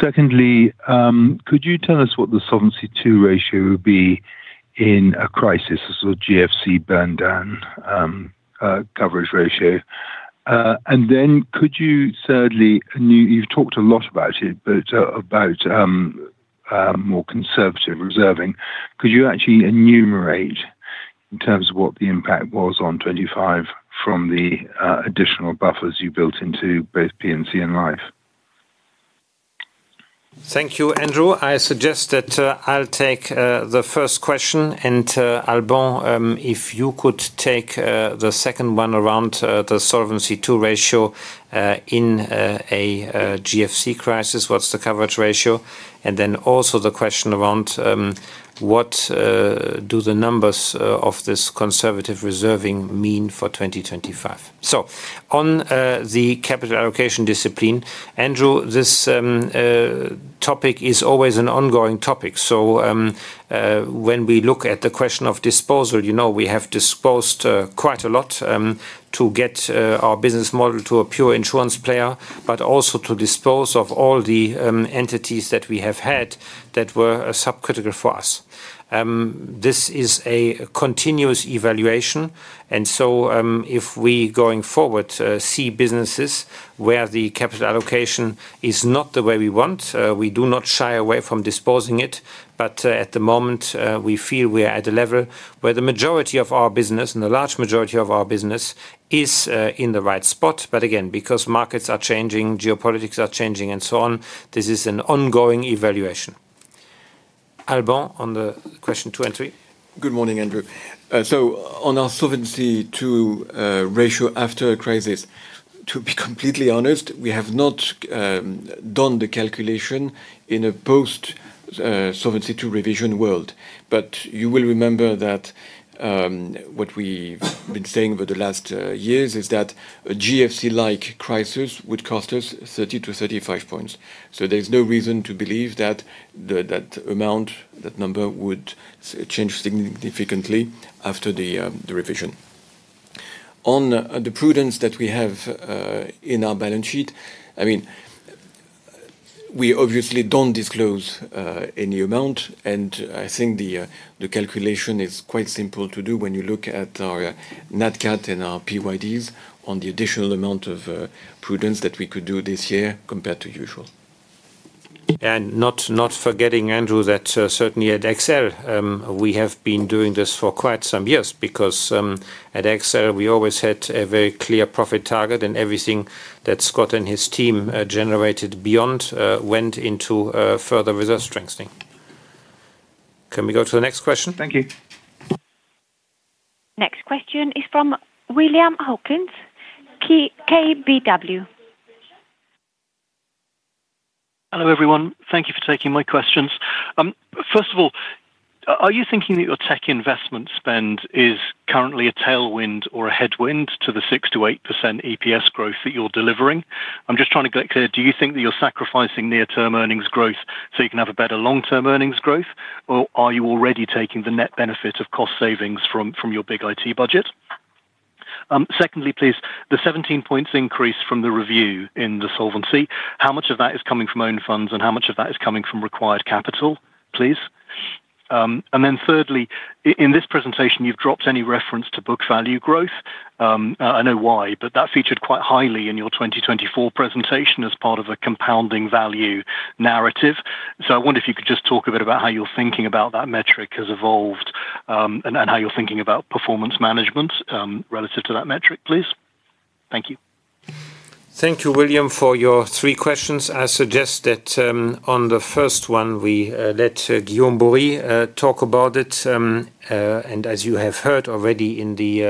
Secondly, could you tell us what the Solvency II ratio would be in a crisis, a GFC burn down coverage ratio? And then could you, thirdly, I know you've talked a lot about it, but about more conservative reserving. Could you actually enumerate in terms of what the impact was on 25 from the additional buffers you built into both P&C and Life? Thank you, Andrew. I suggest that I'll take the first question. Alban, if you could take the second one around the Solvency II ratio in a GFC crisis, what's the coverage ratio? Also the question around: What do the numbers of this conservative reserving mean for 2025? The capital allocation discipline, Andrew, this topic is always an ongoing topic. When we look at the question of disposal, we have disposed quite a lot to get our business model to a pure insurance player, but also to dispose of all the entities that we have had that were subcritical for us. This is a continuous evaluation. If we, going forward, see businesses where the capital allocation is not the way we want, we do not shy away from disposing it. At the moment, we feel we are at a level where the majority of our business, and the large majority of our business, is in the right spot. Again, because markets are changing, geopolitics are changing, and so on, this is an ongoing evaluation. Alban, on the question two and three. Good morning, Andrew. On our Solvency II ratio after a crisis, to be completely honest, we have not done the calculation in a post Solvency II revision world. You will remember that what we've been saying over the last years is that a GFC-like crisis would cost us 30-35 points. There's no reason to believe that the, that amount, that number, would significantly after the revision. On the prudence that we have in our balance sheet, I mean, we obviously don't disclose any amount, and I think the calculation is quite simple to do when you look at our Nat Cat and our PYDs on the additional amount of prudence that we could do this year compared to usual. Not, not forgetting, Andrew, that certainly at AXA XL, we have been doing this for quite some years because at XL we always had a very clear profit target, and everything that Scott and his team generated beyond went into further reserve strengthening. Can we go to the next question? Thank you. Next question is from William Hawkins, KBW. Hello, everyone. Thank you for taking my questions. First of all, are you thinking that your tech investment spend is currently a tailwind or a headwind to the 6%-8% EPS growth that you're delivering? I'm just trying to get clear: Do you think that you're sacrificing near-term earnings growth so you can have a better long-term earnings growth, or are you already taking the net benefit of cost savings from your big IT budget? Secondly, please, the 17 points increase from the review in the solvency, how much of that is coming from own funds, and how much of that is coming from required capital, please? Thirdly, in this presentation, you've dropped any reference to book value growth. I know why, that featured quite highly in your 2024 presentation as part of a compounding value narrative. I wonder if you could just talk a bit about how your thinking about that metric has evolved, and how you're thinking about performance management, relative to that metric, please. Thank you. Thank you, William, for your three questions. I suggest that, on the first one, we let Guillaume Borie talk about it. As you have heard already in the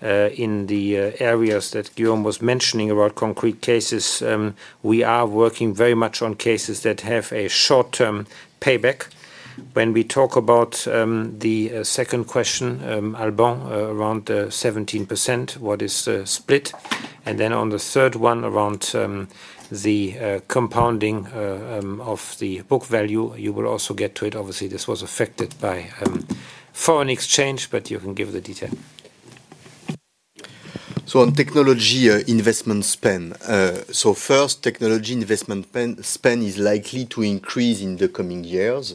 areas that Guillaume was mentioning about concrete cases, we are working very much on cases that have a short-term payback. When we talk about the second question, Alban, around 17%, what is the split? Then on the third one, around the compounding of the book value, you will also get to it. Obviously, this was affected by foreign exchange, but you can give the detail. On technology, investment spend. First, technology investment spend is likely to increase in the coming years,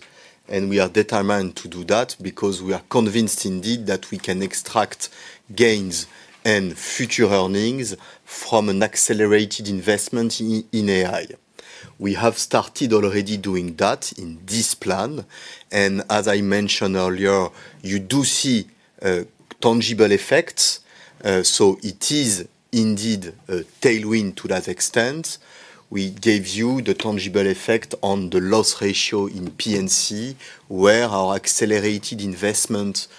and we are determined to do that because we are convinced indeed, that we can extract gains and future earnings from an accelerated investment in AI. We have started already doing that in this plan, and as I mentioned earlier, you do see tangible effects. It is indeed a tailwind to that extent. We gave you the tangible effect on the loss ratio in P&C, where our accelerated investment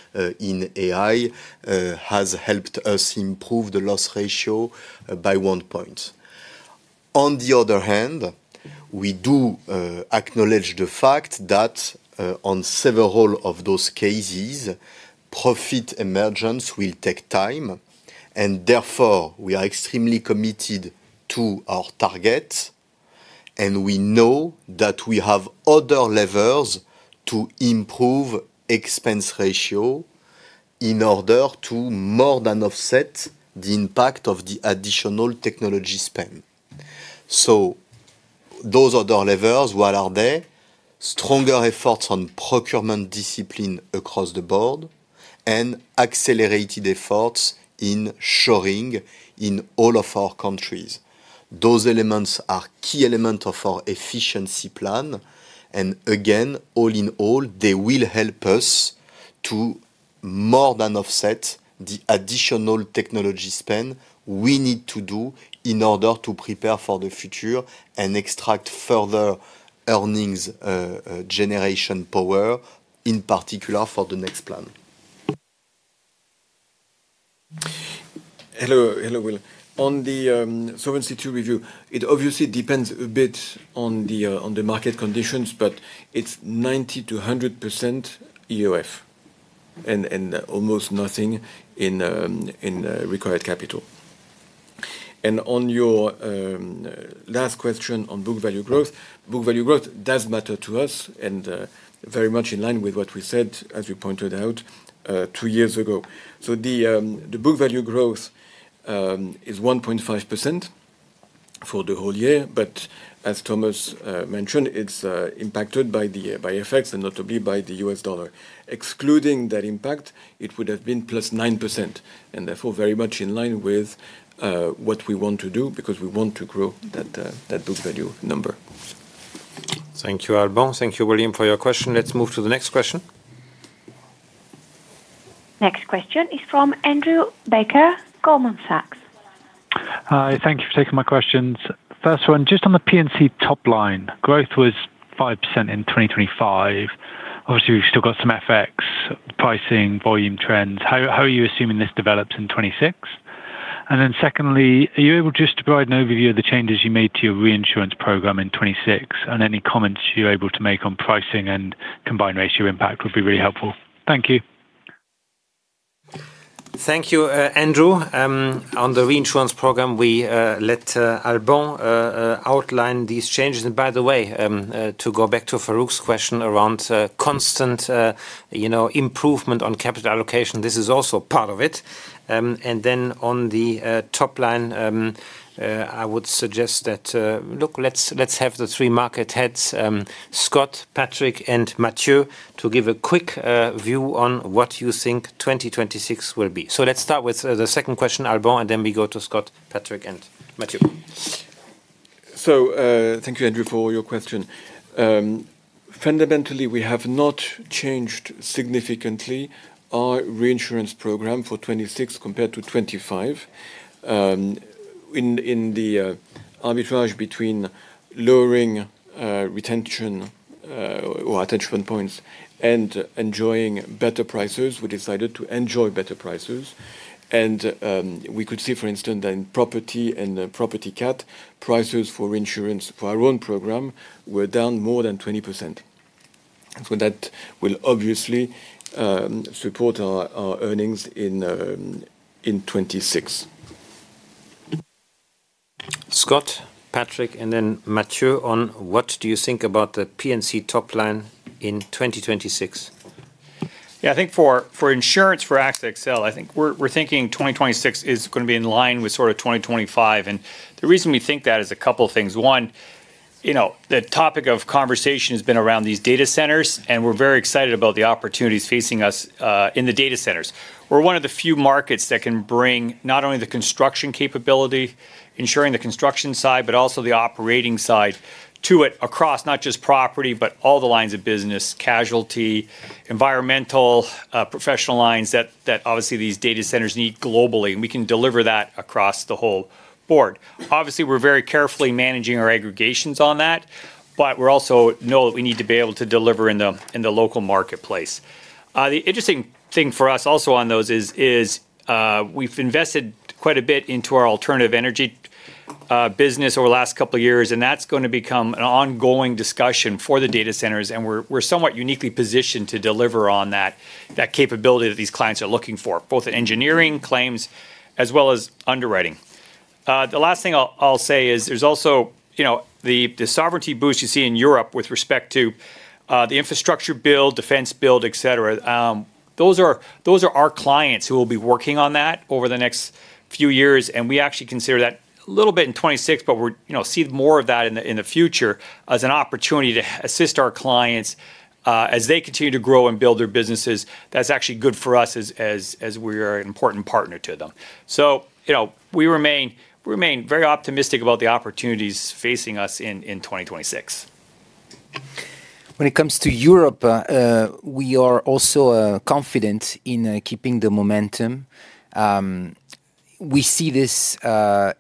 in AI has helped us improve the loss ratio by one point. On the other hand, we do acknowledge the fact that on several of those cases, profit emergence will take time. Therefore, we are extremely committed to our target. We know that we have other levers to improve expense ratio in order to more than offset the impact of the additional technology spend. Those are the levers, what are they? Stronger efforts on procurement discipline across the board and accelerated efforts in shoring in all of our countries. Those elements are key element of our efficiency plan, and again, all in all, they will help us to more than offset the additional technology spend we need to do in order to prepare for the future and extract further earnings generation power, in particular for the next plan. Hello, hello, Will. On the Solvency II review, it obviously depends a bit on the market conditions, but it's 90%-100% EOF and almost nothing in required capital. On your last question on book value growth, book value growth does matter to us and very much in line with what we said, as you pointed out, two years ago. The book value growth is 1.5% for the whole year, but as Thomas mentioned, it's impacted by the by effects and not to be by the U.S. dollar. Excluding that impact, it would have been +9%, and therefore very much in line with what we want to do, because we want to grow that book value number. Thank you, Alban. Thank you, William, for your question. Let's move to the next question. Next question is from Andrew Baker, Goldman Sachs. Hi, thank you for taking my questions. First one, just on the P&C top line, growth was 5% in 2025. Obviously, we've still got some FX pricing volume trends. How are you assuming this develops in 2026? Secondly, are you able just to provide an overview of the changes you made to your reinsurance program in 2026, and any comments you're able to make on pricing and combined ratio impact would be really helpful. Thank you. Thank you, Andrew. On the reinsurance program, we let Alban outline these changes. By the way, to go back to Farooq's question around constant improvement on capital allocation, this is also part of it. Then on the top line, I would suggest that look, let's have the three market heads, Scott, Patrick, and Mathieu, to give a quick view on what you think 2026 will be. Let's start with the second question, Alban, and then we go to Scott, Patrick, and Mathieu. Thank you, Andrew, for your question. Fundamentally, we have not changed significantly our reinsurance program for 26 compared to 25. In the arbitrage between lowering retention or attention points and enjoying better prices, we decided to enjoy better prices. We could see, for instance, that in property and the property cat, prices for insurance for our own program were down more than 20%. That will obviously support our earnings in 26. Scott, Patrick, and then Mathieu on what do you think about the P&C top line in 2026? Yeah, I think for insurance, for AXA XL, I think we're thinking 2026 is gonna be in line with 2025. The reason we think that is a couple of things. One, you know, the topic of conversation has been around these data centers, and we're very excited about the opportunities facing us in the data centers. We're one of the few markets that can bring not only the construction capability, ensuring the construction side, but also the operating side to it, across not just property, but all the lines of business, casualty, environmental, professional lines, that obviously these data centers need globally, and we can deliver that across the whole board. Obviously, we're very carefully managing our aggregations on that, but we're also know that we need to be able to deliver in the local marketplace. The interesting thing for us also on those is, we've invested quite a bit into our alternative energy, business over the last couple of years. That's gonna become an ongoing discussion for the data centers. We're somewhat uniquely positioned to deliver on that capability that these clients are looking for, both engineering claims as well as underwriting. The last thing I'll say is there's also the sovereignty boost you see in Europe with respect to the infrastructure build, defense build, et cetera, those are our clients who will be working on that over the next few years, and we actually consider that a little bit in 2026, but you know, see more of that in the, in the future as an opportunity to assist our clients, as they continue to grow and build their businesses. That's actually good for us as we are an important partner to them. You know, we remain very optimistic about the opportunities facing us in 2026. When it comes to Europe, we are also confident in keeping the momentum. We see this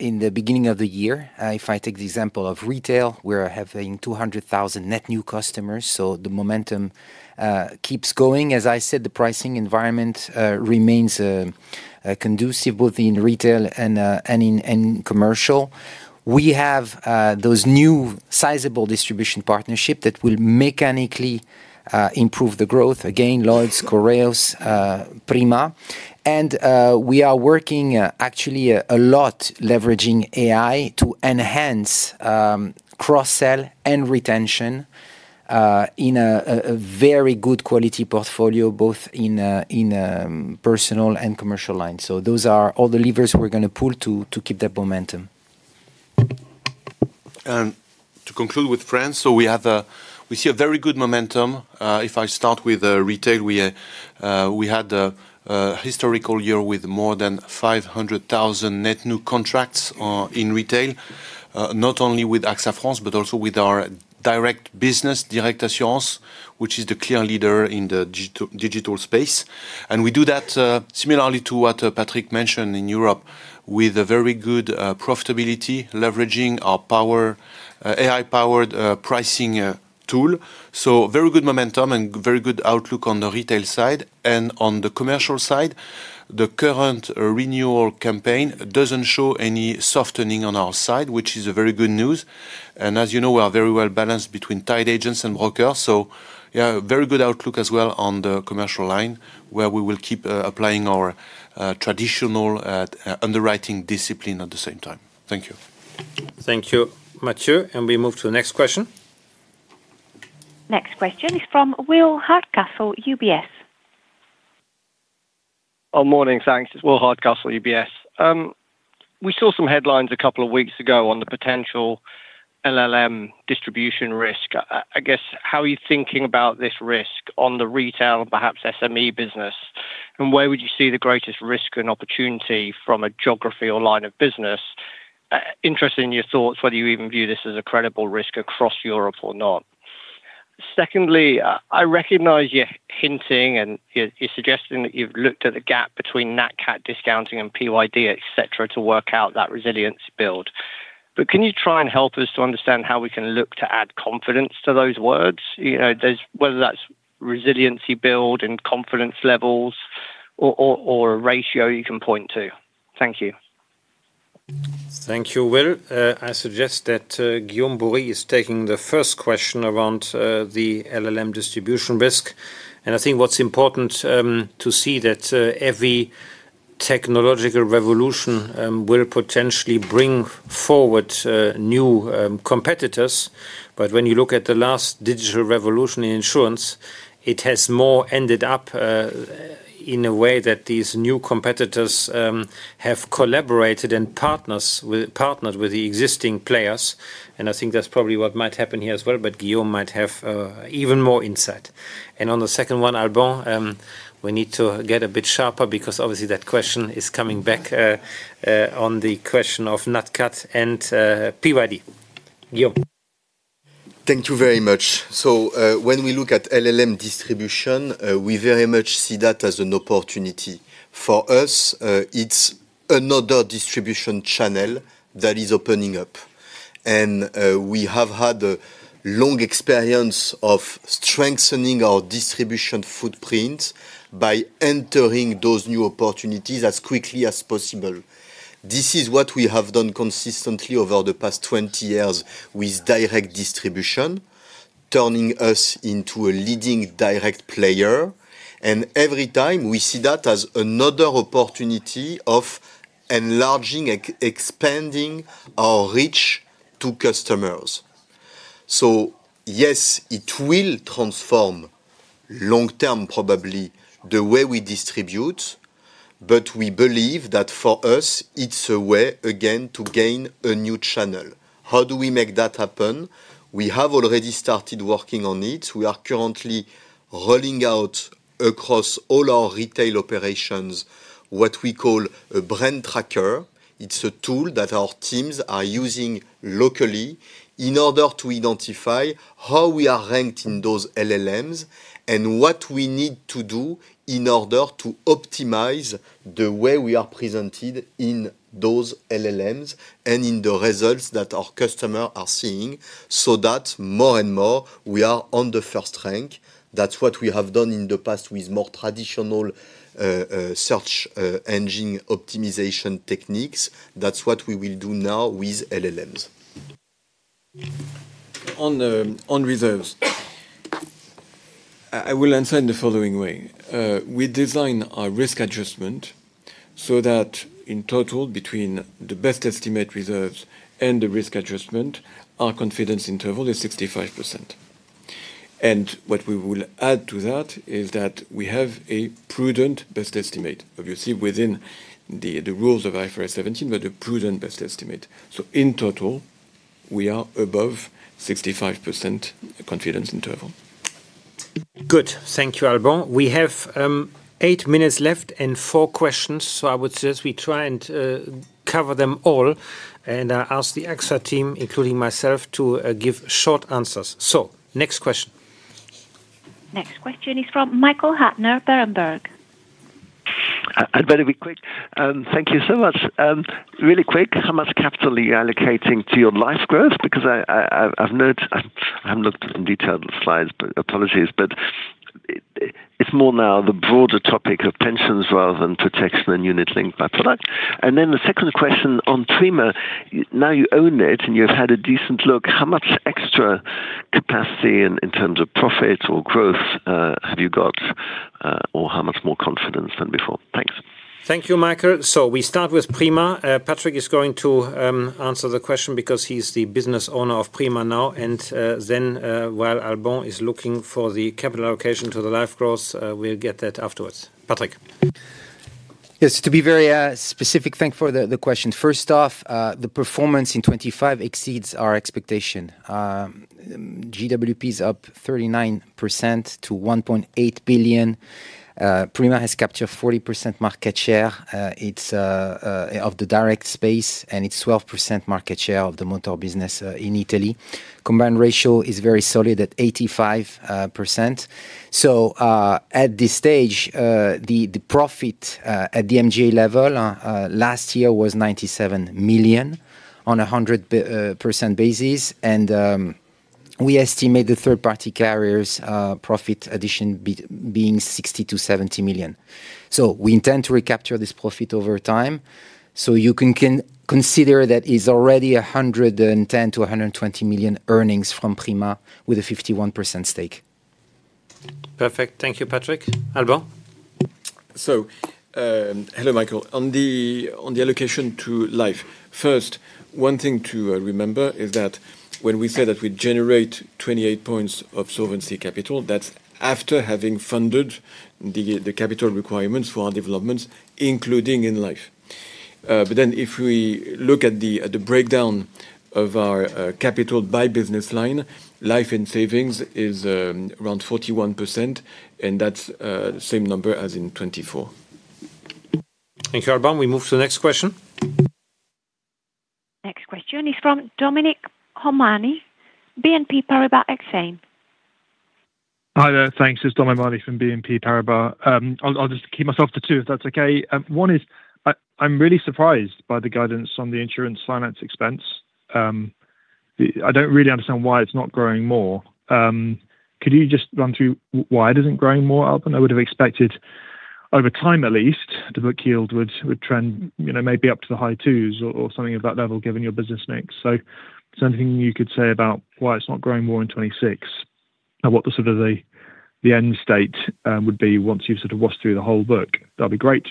in the beginning of the year. If I take the example of Retail, we're having 200,000 net new customers, so the momentum keeps going. As I said, the pricing environment remains conducive both in Retail and in commercial. We have those new sizable distribution partnership that will mechanically improve the growth. Again, Lloyds, Correos, Prima. We are working actually a lot leveraging AI to enhance cross-sell and retention in a very good quality portfolio, both in Personal and Commercial Lines. Those are all the levers we're gonna pull to keep the momentum. To conclude with France, we see a very good momentum. If I start with Retail, we had a historical year with more than 500,000 net new contracts in Retail, not only with AXA France, but also with our direct business, Direct Assurance, which is the clear leader in the digital space. We do that similarly to what Patrick mentioned in Europe, with a very good profitability, leveraging our AI-powered pricing tool. Very good momentum and very good outlook on the Retail side. On the commercial side, the current renewal campaign doesn't show any softening on our side, which is a very good news. As you know, we are very well-balanced between tied agents and brokers. Yeah, very good outlook as well on the Commercial Lines, where we will keep applying our traditional underwriting discipline at the same time. Thank you. Thank you, Mathieu. We move to the next question. Next question is from William Hardcastle, UBS. Morning, thanks. It's William Hardcastle, UBS. We saw some headlines a couple of weeks ago on the potential LLM distribution risk. I guess, how are you thinking about this risk on the Retail, perhaps SME business, and where would you see the greatest risk and opportunity from a geography or line of business? Interested in your thoughts, whether you even view this as a credible risk across Europe or not. Secondly, I recognize you're hinting and you're suggesting that you've looked at the gap between Nat Cat discounting and PYD, et cetera, to work out that resilience build. Can you try and help us to understand how we can look to add confidence to those words? You know, those, whether that's resiliency build and confidence levels or a ratio you can point to. Thank you. Thank you, Will. I suggest that Guillaume Borie is taking the first question around the LLM distribution risk. I think what's important to see that every technological revolution will potentially bring forward new competitors. When you look at the last digital revolution in insurance, it has more ended up in a way that these new competitors have collaborated and partnered with the existing players, and I think that's probably what might happen here as well, but Guillaume might have even more insight. On the second one, Alban, we need to get a bit sharper because obviously that question is coming back on the question of Nat Cat and PYD. Guillaume? Thank you very much. When we look at LLM distribution, we very much see that as an opportunity. For us, it's another distribution channel that is opening up, we have had a long experience of strengthening our distribution footprint by entering those new opportunities as quickly as possible. This is what we have done consistently over the past 20 years with direct distribution, turning us into a leading direct player. Every time, we see that as another opportunity of enlarging and expanding our reach to customers. Yes, it will transform, long term probably, the way we distribute, but we believe that for us, it's a way again to gain a new channel. How do we make that happen? We have already started working on it. We are currently rolling out across all our Retail operations, what we call a brand tracker. It's a tool that our teams are using locally in order to identify how we are ranked in those LLMs, and what we need to do in order to optimize the way we are presented in those LLMs and in the results that our customer are seeing, so that more and more we are on the first rank. That's what we have done in the past with more traditional search engine optimization techniques. That's what we will do now with LLMs. On reserves. I will answer in the following way. We design our risk adjustment so that in total, between the best estimate reserves and the risk adjustment, our confidence interval is 65%. What we will add to that is that we have a prudent best estimate, obviously within the rules of IFRS 17, but a prudent best estimate. In total, we are above 65% confidence interval. Good. Thank you, Alban. We have eight minutes left and four questions, so I would suggest we try and cover them all, and I ask the AXA team, including myself, to give short answers. Next question. Next question is from Michael Huttner, Berenberg. I'd better be quick. Thank you so much. Really quick, how much capital are you allocating to your Life growth? Because I've noted... I haven't looked in detail at the slides, but apologies. It's more now the broader topic of pensions rather than protection and unit-linked by product. Then the second question on Prima, now you own it, and you've had a decent look, how much extra capacity in terms of profit or growth have you got, or how much more confidence than before? Thanks. Thank you, Michael. We start with Prima. Patrick is going to answer the question because he's the business owner of Prima now. While Alban is looking for the capital allocation to the Life growth, we'll get that afterwards. Patrick. To be very specific, thank for the question. First off, the performance in 2025 exceeds our expectation. GWP is up 39% to 1.8 billion. Prima has captured 40% market share of the direct space, and it's 12% market share of the motor business in Italy. Combined ratio is very solid at 85%. At this stage, the profit at the MGA level last year was 97 million on a 100% basis, and we estimate the third-party carriers profit addition being 60 million-70 million. We intend to recapture this profit over time, so you can consider that is already 110 million-120 million earnings from Prima with a 51% stake. Perfect. Thank you, Patrick. Alban? Hello, Michael. On the allocation to Life, first, one thing to remember is that when we say that we generate 28 points of solvency capital, that's after having funded the capital requirements for our developments, including in Life. If we look at the breakdown of our capital by business line, Life and Savings is around 41%, and that's the same number as in 2024. Thank you, Alban. We move to the next question. Next question is from Dominic O'Mahony, BNP Paribas Exane. Hi there. Thanks. It's Dominic O'Mahony from BNP Paribas. I'll just keep myself to two, if that's okay. One is I'm really surprised by the guidance on the insurance finance expense. I don't really understand why it's not growing more. Could you just run through why it isn't growing more, Alban? I would have expected over time, at least, the book yield would trend, maybe up to the high 2s or something of that level, given your business mix. Is there anything you could say about why it's not growing more in 26, and what the end state would be once you've washed through the whole book? That'd be great.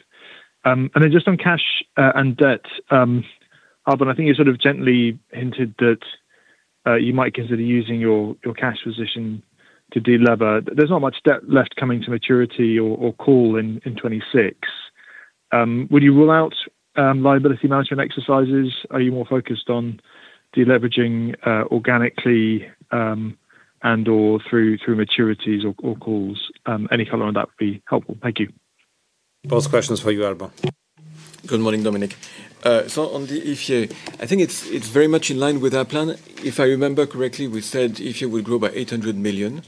Just on cash, and debt, Alban, I think you sort of gently hinted that you might consider using your cash position to delever. There's not much debt left coming to maturity or call in 2026. Would you rule out liability management exercises? Are you more focused on deleveraging organically, and/or through maturities or calls? Any color on that would be helpful. Thank you. Both questions for you, Alban. Good morning, Dominic. So on the IFE, I think it's very much in line with our plan. If I remember correctly, we said IFE will grow by 800 million,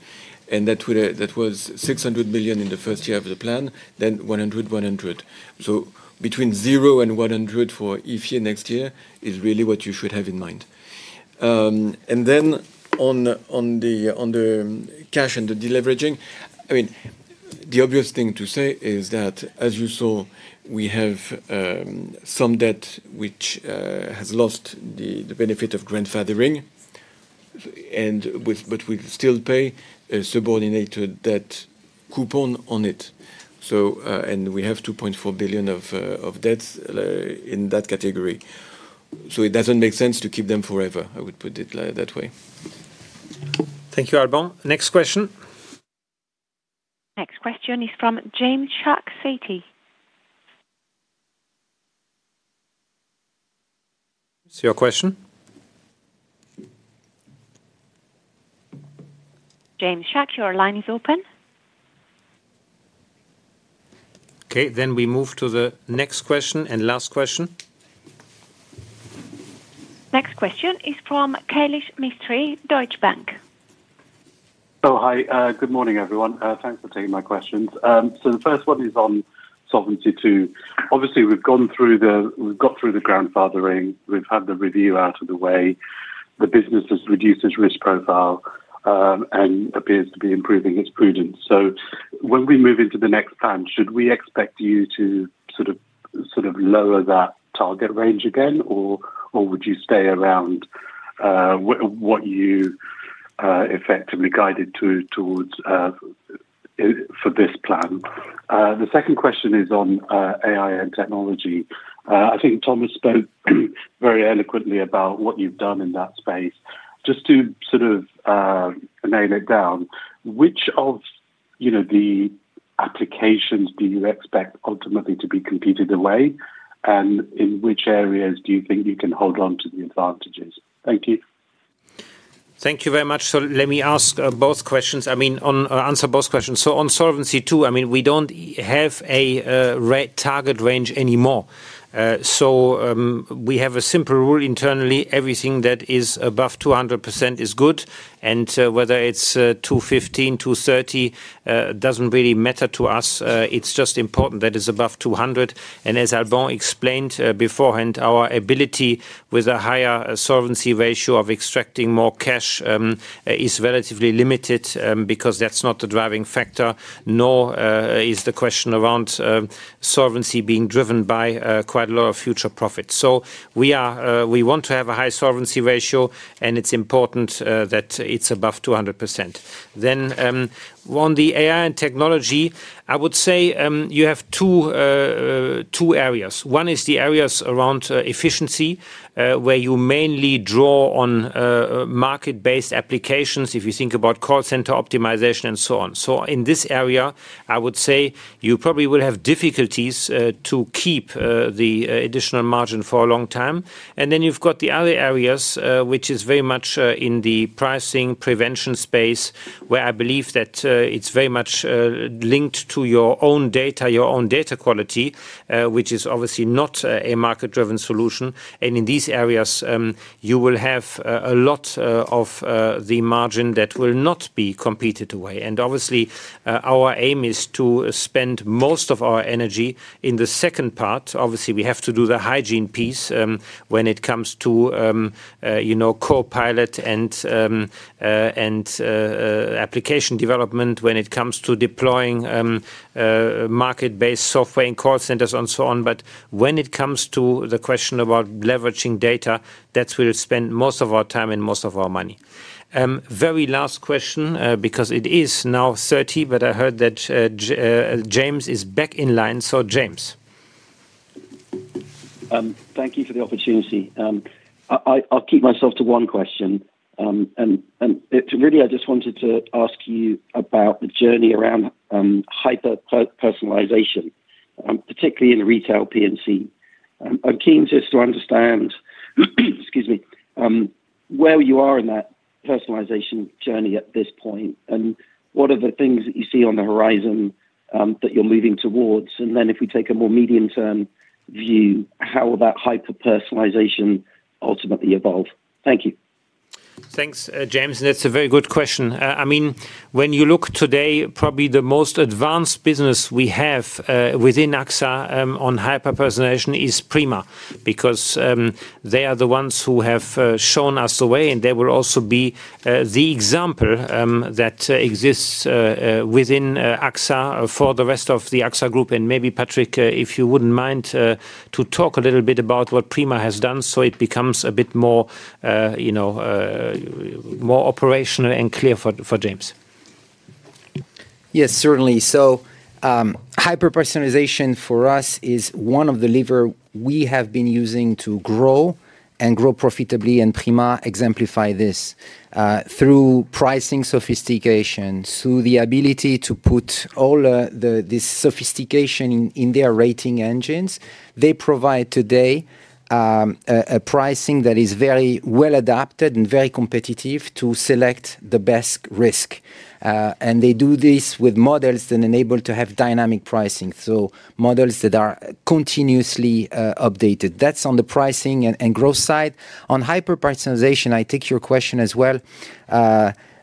and that was 600 million in the first year of the plan, then 100, 100. Between 0 and 100 for IFE next year is really what you should have in mind. And then on the, on the, on the cash and the deleveraging, I mean, the obvious thing to say is that, as you saw, we have some debt which has lost the benefit of grandfathering, but we still pay a subordinated debt coupon on it. We have 2.4 billion of debts in that category. It doesn't make sense to keep them forever, I would put it that way. Thank you, Alban. Next question? Next question is from James Shuck, Citi. What's your question? James Shuck, your line is open. Okay, we move to the next question and last question. Next question is from Kailesh Mistry, Deutsche Bank. Hi. Good morning, everyone. Thanks for taking my questions. The first one is on Solvency II. Obviously, we've got through the grandfathering, we've had the review out of the way, the business has reduced its risk profile, and appears to be improving its prudence. When we move into the next plan, should we expect you to lower that target range again, or would you stay around what you effectively guided towards for this plan? The second question is on AI and technology. I think Thomas spoke very eloquently about what you've done in that space. Just to sort of, nail it down, which of the applications do you expect ultimately to be competed away, and in which areas do you think you can hold onto the advantages? Thank you. Thank you very much. Let me ask both questions, I mean, on answer both questions. On Solvency II, I mean, we don't have a re- target range anymore. We have a simple rule internally, everything that is above 200% is good, and whether it's 215, 230, doesn't really matter to us. It's just important that it's above 200. As Alban explained beforehand, our ability with a higher solvency ratio of extracting more cash is relatively limited, because that's not the driving factor, nor is the question around solvency being driven by quite a lot of future profits. We want to have a high solvency ratio, and it's important that it's above 200%. On the AI and technology, I would say, you have two areas. One is the areas around efficiency, where you mainly draw on market-based applications, if you think about call center optimization and so on. In this area, I would say you probably will have difficulties to keep the additional margin for a long time. You've got the other areas, which is very much in the pricing prevention space, where I believe that it's very much linked to your own data, your own data quality, which is obviously not a market-driven solution. In these areas, you will have a lot of the margin that will not be competed away. Obviously, our aim is to spend most of our energy in the second part. Obviously, we have to do the hygiene piece, when it comes to Copilot and application development, when it comes to deploying market-based software in call centers and so on. When it comes to the question about leveraging data, that's where we spend most of our time and most of our money. Very last question, because it is now 30, I heard that James is back in line. James. Thank you for the opportunity. I'll keep myself to one question. Really, I just wanted to ask you about the journey around, hyperpersonalization, particularly in Retail P&C. I'm keen just to understand, excuse me, where you are in that personalization journey at this point, and what are the things that you see on the horizon, that you're moving towards? If we take a more medium-term view, how will that hyperpersonalization ultimately evolve? Thank you. Thanks, James, and that's a very good question. I mean, when you look today, probably the most advanced business we have within AXA on hyperpersonalization is Prima. Because they are the ones who have shown us the way, and they will also be the example that exists within AXA for the rest of the AXA group. Maybe, Patrick, if you wouldn't mind to talk a little bit about what Prima has done so it becomes a bit more, you know, more operational and clear for James. Yes, certainly. Hyperpersonalization for us is one of the lever we have been using to grow and grow profitably, and Prima exemplify this. Through pricing sophistication, through the ability to put all this sophistication in their rating engines, they provide today a pricing that is very well adapted and very competitive to select the best risk. They do this with models that enable to have dynamic pricing, so models that are continuously updated. That's on the pricing and growth side. On hyperpersonalization, I take your question as well.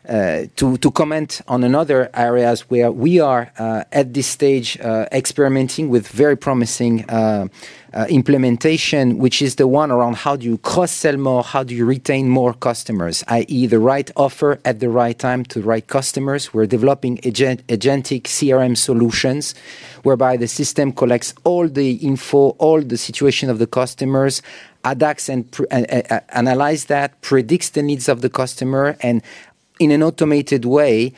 To comment on another areas where we are at this stage experimenting with very promising implementation, which is the one around how do you cross-sell more, how do you retain more customers, i.e. the right offer at the right time to the right customers. We're developing agentic CRM solutions, whereby the system collects all the info, all the situation of the customers, adapts and analyze that, predicts the needs of the customer, and in an automated way,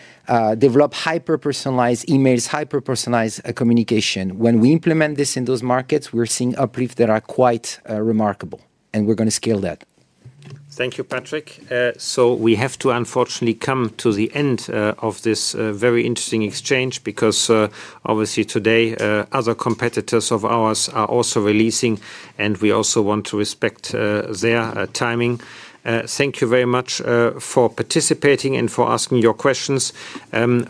develop hyper-personalized emails, hyper-personalized communication. When we implement this in those markets, we're seeing uplifts that are quite remarkable, and we're going to scale that. Thank you, Patrick. We have to unfortunately come to the end of this very interesting exchange because obviously today, other competitors of ours are also releasing, and we also want to respect their timing. Thank you very much for participating and for asking your questions.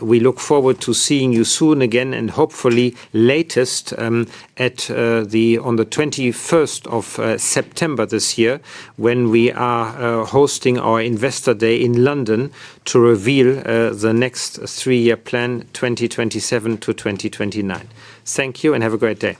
We look forward to seeing you soon again, and hopefully latest on the 21st of September this year, when we are hosting our Investor Day in London to reveal the next three-year plan, 2027-2029. Thank you and have a great day.